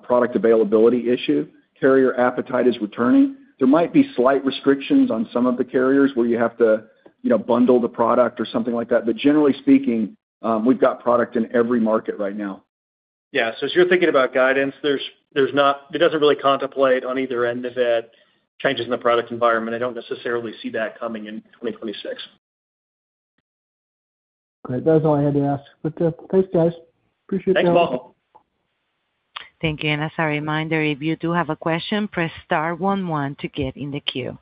product availability issue. Carrier appetite is returning. There might be slight restrictions on some of the carriers where you have to, you know, bundle the product or something like that. But generally speaking, we've got product in every market right now. Yeah. So as you're thinking about guidance, there's not, it doesn't really contemplate on either end of it, changes in the product environment. I don't necessarily see that coming in 2026. Great. That's all I had to ask. But, thanks, guys. Appreciate it. Thanks, Paul. Thank you. As a reminder, if you do have a question, press star one one to get in the queue.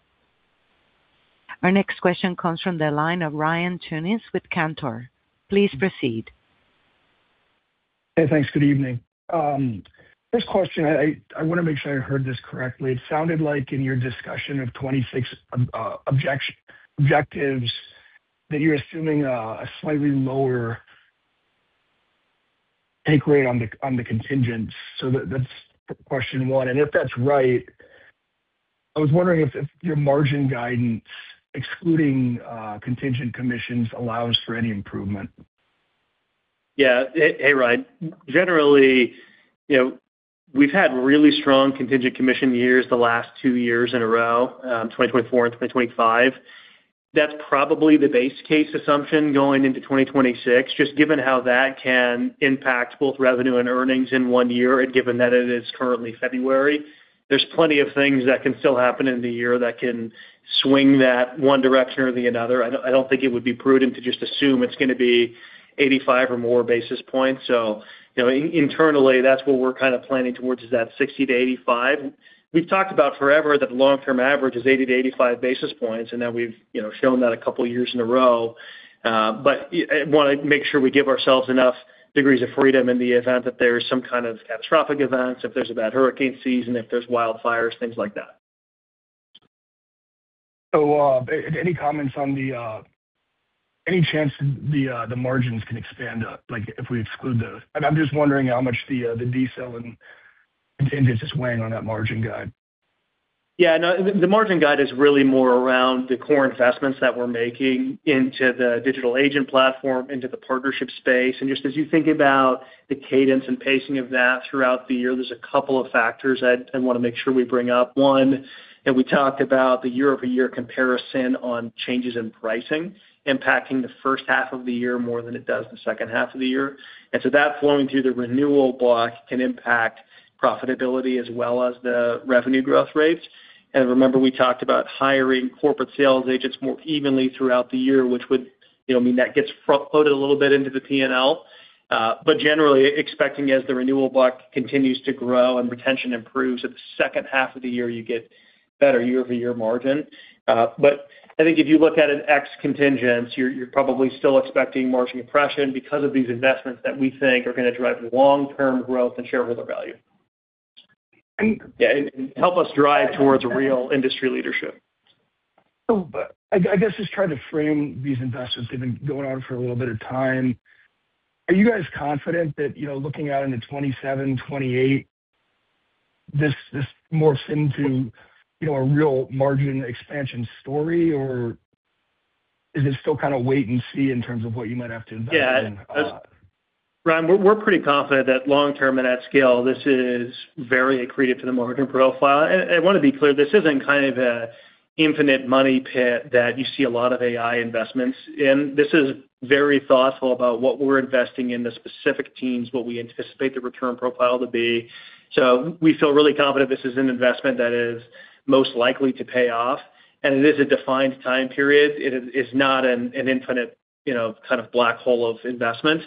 Our next question comes from the line of Ryan Tunis with Cantor. Please proceed. Hey, thanks. Good evening. First question, I want to make sure I heard this correctly. It sounded like in your discussion of 2026, objectives, that you're assuming a slightly lower take rate on the contingents. So that's question one. And if that's right, I was wondering if your margin guidance, excluding contingent commissions, allows for any improvement? Yeah. Hey, Hey, Ryan. Generally, you know, we've had really strong contingent commission years the last two years in a row, 2024 and 2025. That's probably the base case assumption going into 2026, just given how that can impact both revenue and earnings in one year, and given that it is currently February, there's plenty of things that can still happen in the year that can swing that one direction or the other. I don't, I don't think it would be prudent to just assume it's gonna be 85 or more basis points. So, you know, internally, that's what we're kind of planning towards, is that 60-85. We've talked about forever that the long-term average is 80-85 basis points, and then we've, you know, shown that a couple of years in a row. But, yeah, I wanna make sure we give ourselves enough degrees of freedom in the event that there is some kind of catastrophic events, if there's a bad hurricane season, if there's wildfires, things like that. So, any comments on any chance the margins can expand up, like, if we exclude those? And I'm just wondering how much the diesel and contingency is weighing on that margin guide. Yeah, no, the margin guide is really more around the core investments that we're making into the digital agent platform, into the partnership space. And just as you think about the cadence and pacing of that throughout the year, there's a couple of factors I wanna make sure we bring up. One, and we talked about the year-over-year comparison on changes in pricing, impacting the first half of the year more than it does the second half of the year. And so that flowing through the renewal block can impact profitability as well as the revenue growth rates. And remember, we talked about hiring corporate sales agents more evenly throughout the year, which would, you know, mean that gets front-loaded a little bit into the PNL. But generally, expecting as the renewal block continues to grow and retention improves, at the second half of the year, you get better year-over-year margin. But I think if you look at an ex-contingency, you're probably still expecting margin compression because of these investments that we think are gonna drive long-term growth and shareholder value. And- Yeah, and help us drive towards real industry leadership. So but I, I guess, just trying to frame these investments, they've been going on for a little bit of time. Are you guys confident that, you know, looking out into 2027, 2028, this, this morphs into, you know, a real margin expansion story, or is it still kind of wait and see in terms of what you might have to invest in? Yeah, Ryan, we're pretty confident that long term and at scale, this is very accretive to the margin profile. And I wanna be clear, this isn't kind of an infinite money pit that you see a lot of AI investments in. This is very thoughtful about what we're investing in, the specific teams, what we anticipate the return profile to be. So we feel really confident this is an investment that is most likely to pay off, and it is a defined time period. It is not an infinite, you know, kind of black hole of investment.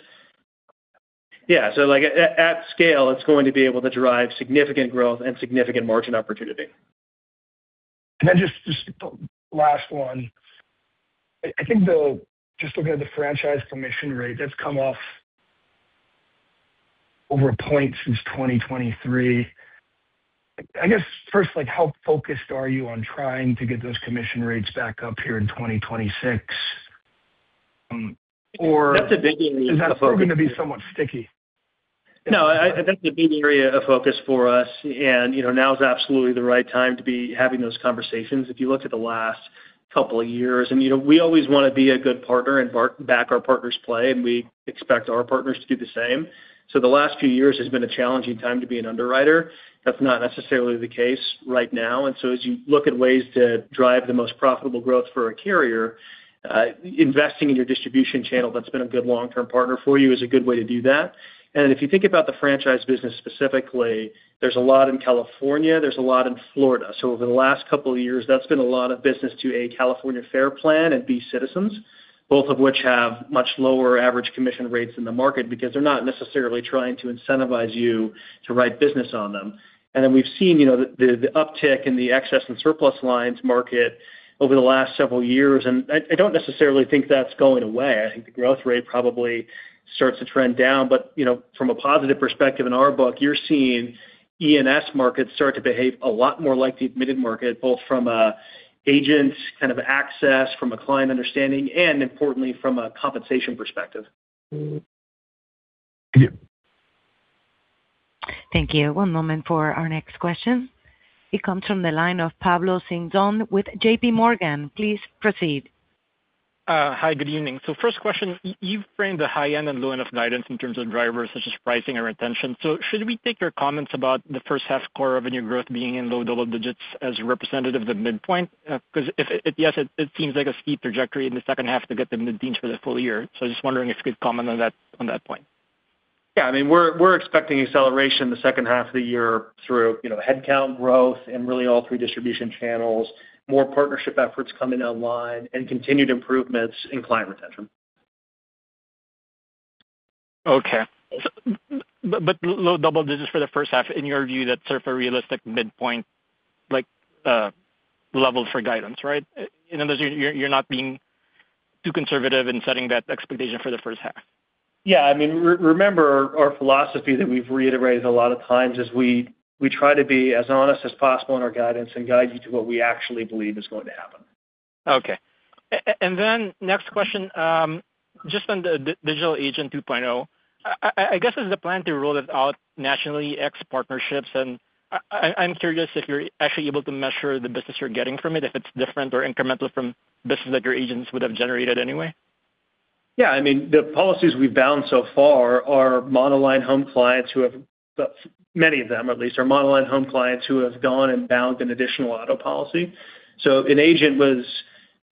Yeah, so like, at scale, it's going to be able to drive significant growth and significant margin opportunity. Then just the last one. I think the—just looking at the franchise commission rate, that's come off over a point since 2023. I guess, first, like, how focused are you on trying to get those commission rates back up here in 2026? Or- That's a big area of focus. Is that still gonna be somewhat sticky? No, I think it'd be the area of focus for us, and, you know, now is absolutely the right time to be having those conversations. If you look at the last couple of years, and you know, we always wanna be a good partner and partner back our partners' play, and we expect our partners to do the same. So the last few years has been a challenging time to be an underwriter. That's not necessarily the case right now. And so as you look at ways to drive the most profitable growth for a carrier, investing in your distribution channel that's been a good long-term partner for you, is a good way to do that. And if you think about the franchise business specifically, there's a lot in California, there's a lot in Florida. So over the last couple of years, that's been a lot of business to, A, California FAIR Plan and B, Citizens, both of which have much lower average commission rates in the market because they're not necessarily trying to incentivize you to write business on them. And then we've seen, you know, the uptick in the excess and surplus lines market over the last several years, and I don't necessarily think that's going away. I think the growth rate probably starts to trend down, but, you know, from a positive perspective, in our book, you're seeing E&S markets start to behave a lot more like the admitted market, both from an agent kind of access, from a client understanding, and importantly, from a compensation perspective. Thank you. Thank you. One moment for our next question. It comes from the line of Pablo Singzon with J.P. Morgan. Please proceed. Hi, good evening. So first question, you've framed the high end and low end of guidance in terms of drivers such as pricing and retention. So should we take your comments about the first half core revenue growth being in low double digits as representative of the midpoint? 'Cause if yes, it seems like a steep trajectory in the second half to get the mid-teens for the full year. So I'm just wondering if you could comment on that, on that point. Yeah, I mean, we're expecting acceleration in the second half of the year through, you know, headcount growth and really all three distribution channels, more partnership efforts coming online, and continued improvements in client retention. Okay. So but low double digits for the first half, in your view, that's sort of a realistic midpoint, like, level for guidance, right? In other words, you're, you're not being too conservative in setting that expectation for the first half. Yeah, I mean, remember, our philosophy that we've reiterated a lot of times is we try to be as honest as possible in our guidance and guide you to what we actually believe is going to happen. Okay. And then next question, just on the Digital Agent 2.0. I guess, is the plan to roll it out nationally, ex partnerships? And I'm curious if you're actually able to measure the business you're getting from it, if it's different or incremental from business that your agents would have generated anyway? Yeah, I mean, the policies we've bound so far are monoline home clients who have, many of them at least, are monoline home clients who have gone and bound an additional auto policy. So an agent was,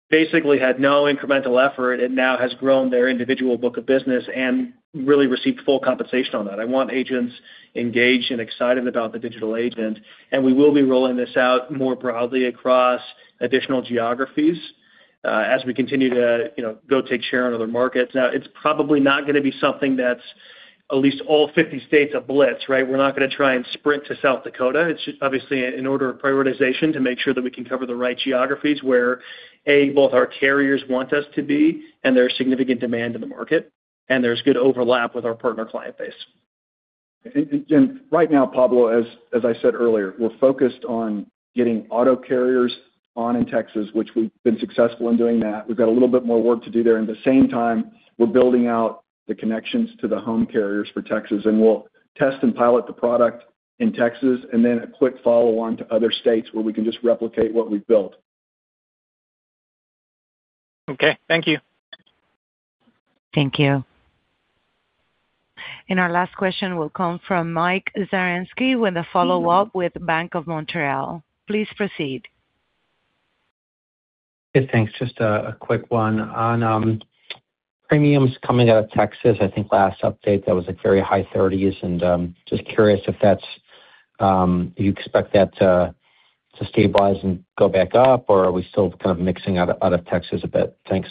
basically had no incremental effort and now has grown their individual book of business and really received full compensation on that. I want agents engaged and excited about the digital agent, and we will be rolling this out more broadly across additional geographies, as we continue to, you know, go take share in other markets. Now, it's probably not gonna be something that's at least all 50 states, a blitz, right? We're not gonna try and sprint to South Dakota. It's just obviously in order of prioritization to make sure that we can cover the right geographies where, A, both our carriers want us to be, and there's significant demand in the market, and there's good overlap with our partner client base. Right now, Pablo, as I said earlier, we're focused on getting auto carriers on in Texas, which we've been successful in doing that. We've got a little bit more work to do there. At the same time, we're building out the connections to the home carriers for Texas, and we'll test and pilot the product in Texas, and then a quick follow-on to other states where we can just replicate what we've built. Okay. Thank you. Thank you. Our last question will come from Mike Zaremski, with a follow-up with Bank of Montreal. Please proceed. Hey, thanks. Just a quick one. On premiums coming out of Texas, I think last update, that was like very high thirties. And just curious if that's you expect that to stabilize and go back up, or are we still kind of mixing out of Texas a bit? Thanks.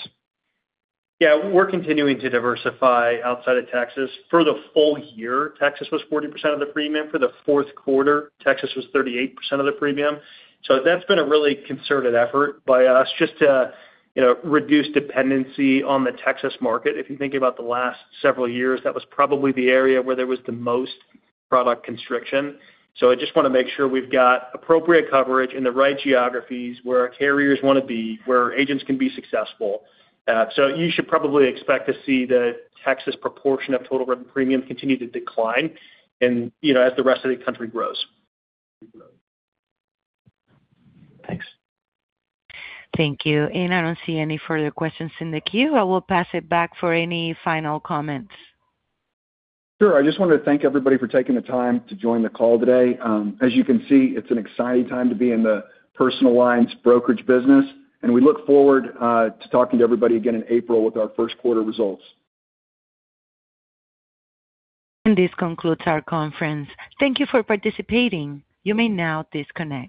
Yeah, we're continuing to diversify outside of Texas. For the full year, Texas was 40% of the premium. For the fourth quarter, Texas was 38% of the premium. So that's been a really concerted effort by us just to, you know, reduce dependency on the Texas market. If you think about the last several years, that was probably the area where there was the most product constriction. So I just wanna make sure we've got appropriate coverage in the right geographies, where our carriers wanna be, where our agents can be successful. So you should probably expect to see the Texas proportion of total written premium continue to decline and, you know, as the rest of the country grows. Thanks. Thank you. I don't see any further questions in the queue. I will pass it back for any final comments. Sure. I just wanted to thank everybody for taking the time to join the call today. As you can see, it's an exciting time to be in the personal lines brokerage business, and we look forward to talking to everybody again in April with our first quarter results. This concludes our conference. Thank you for participating. You may now disconnect.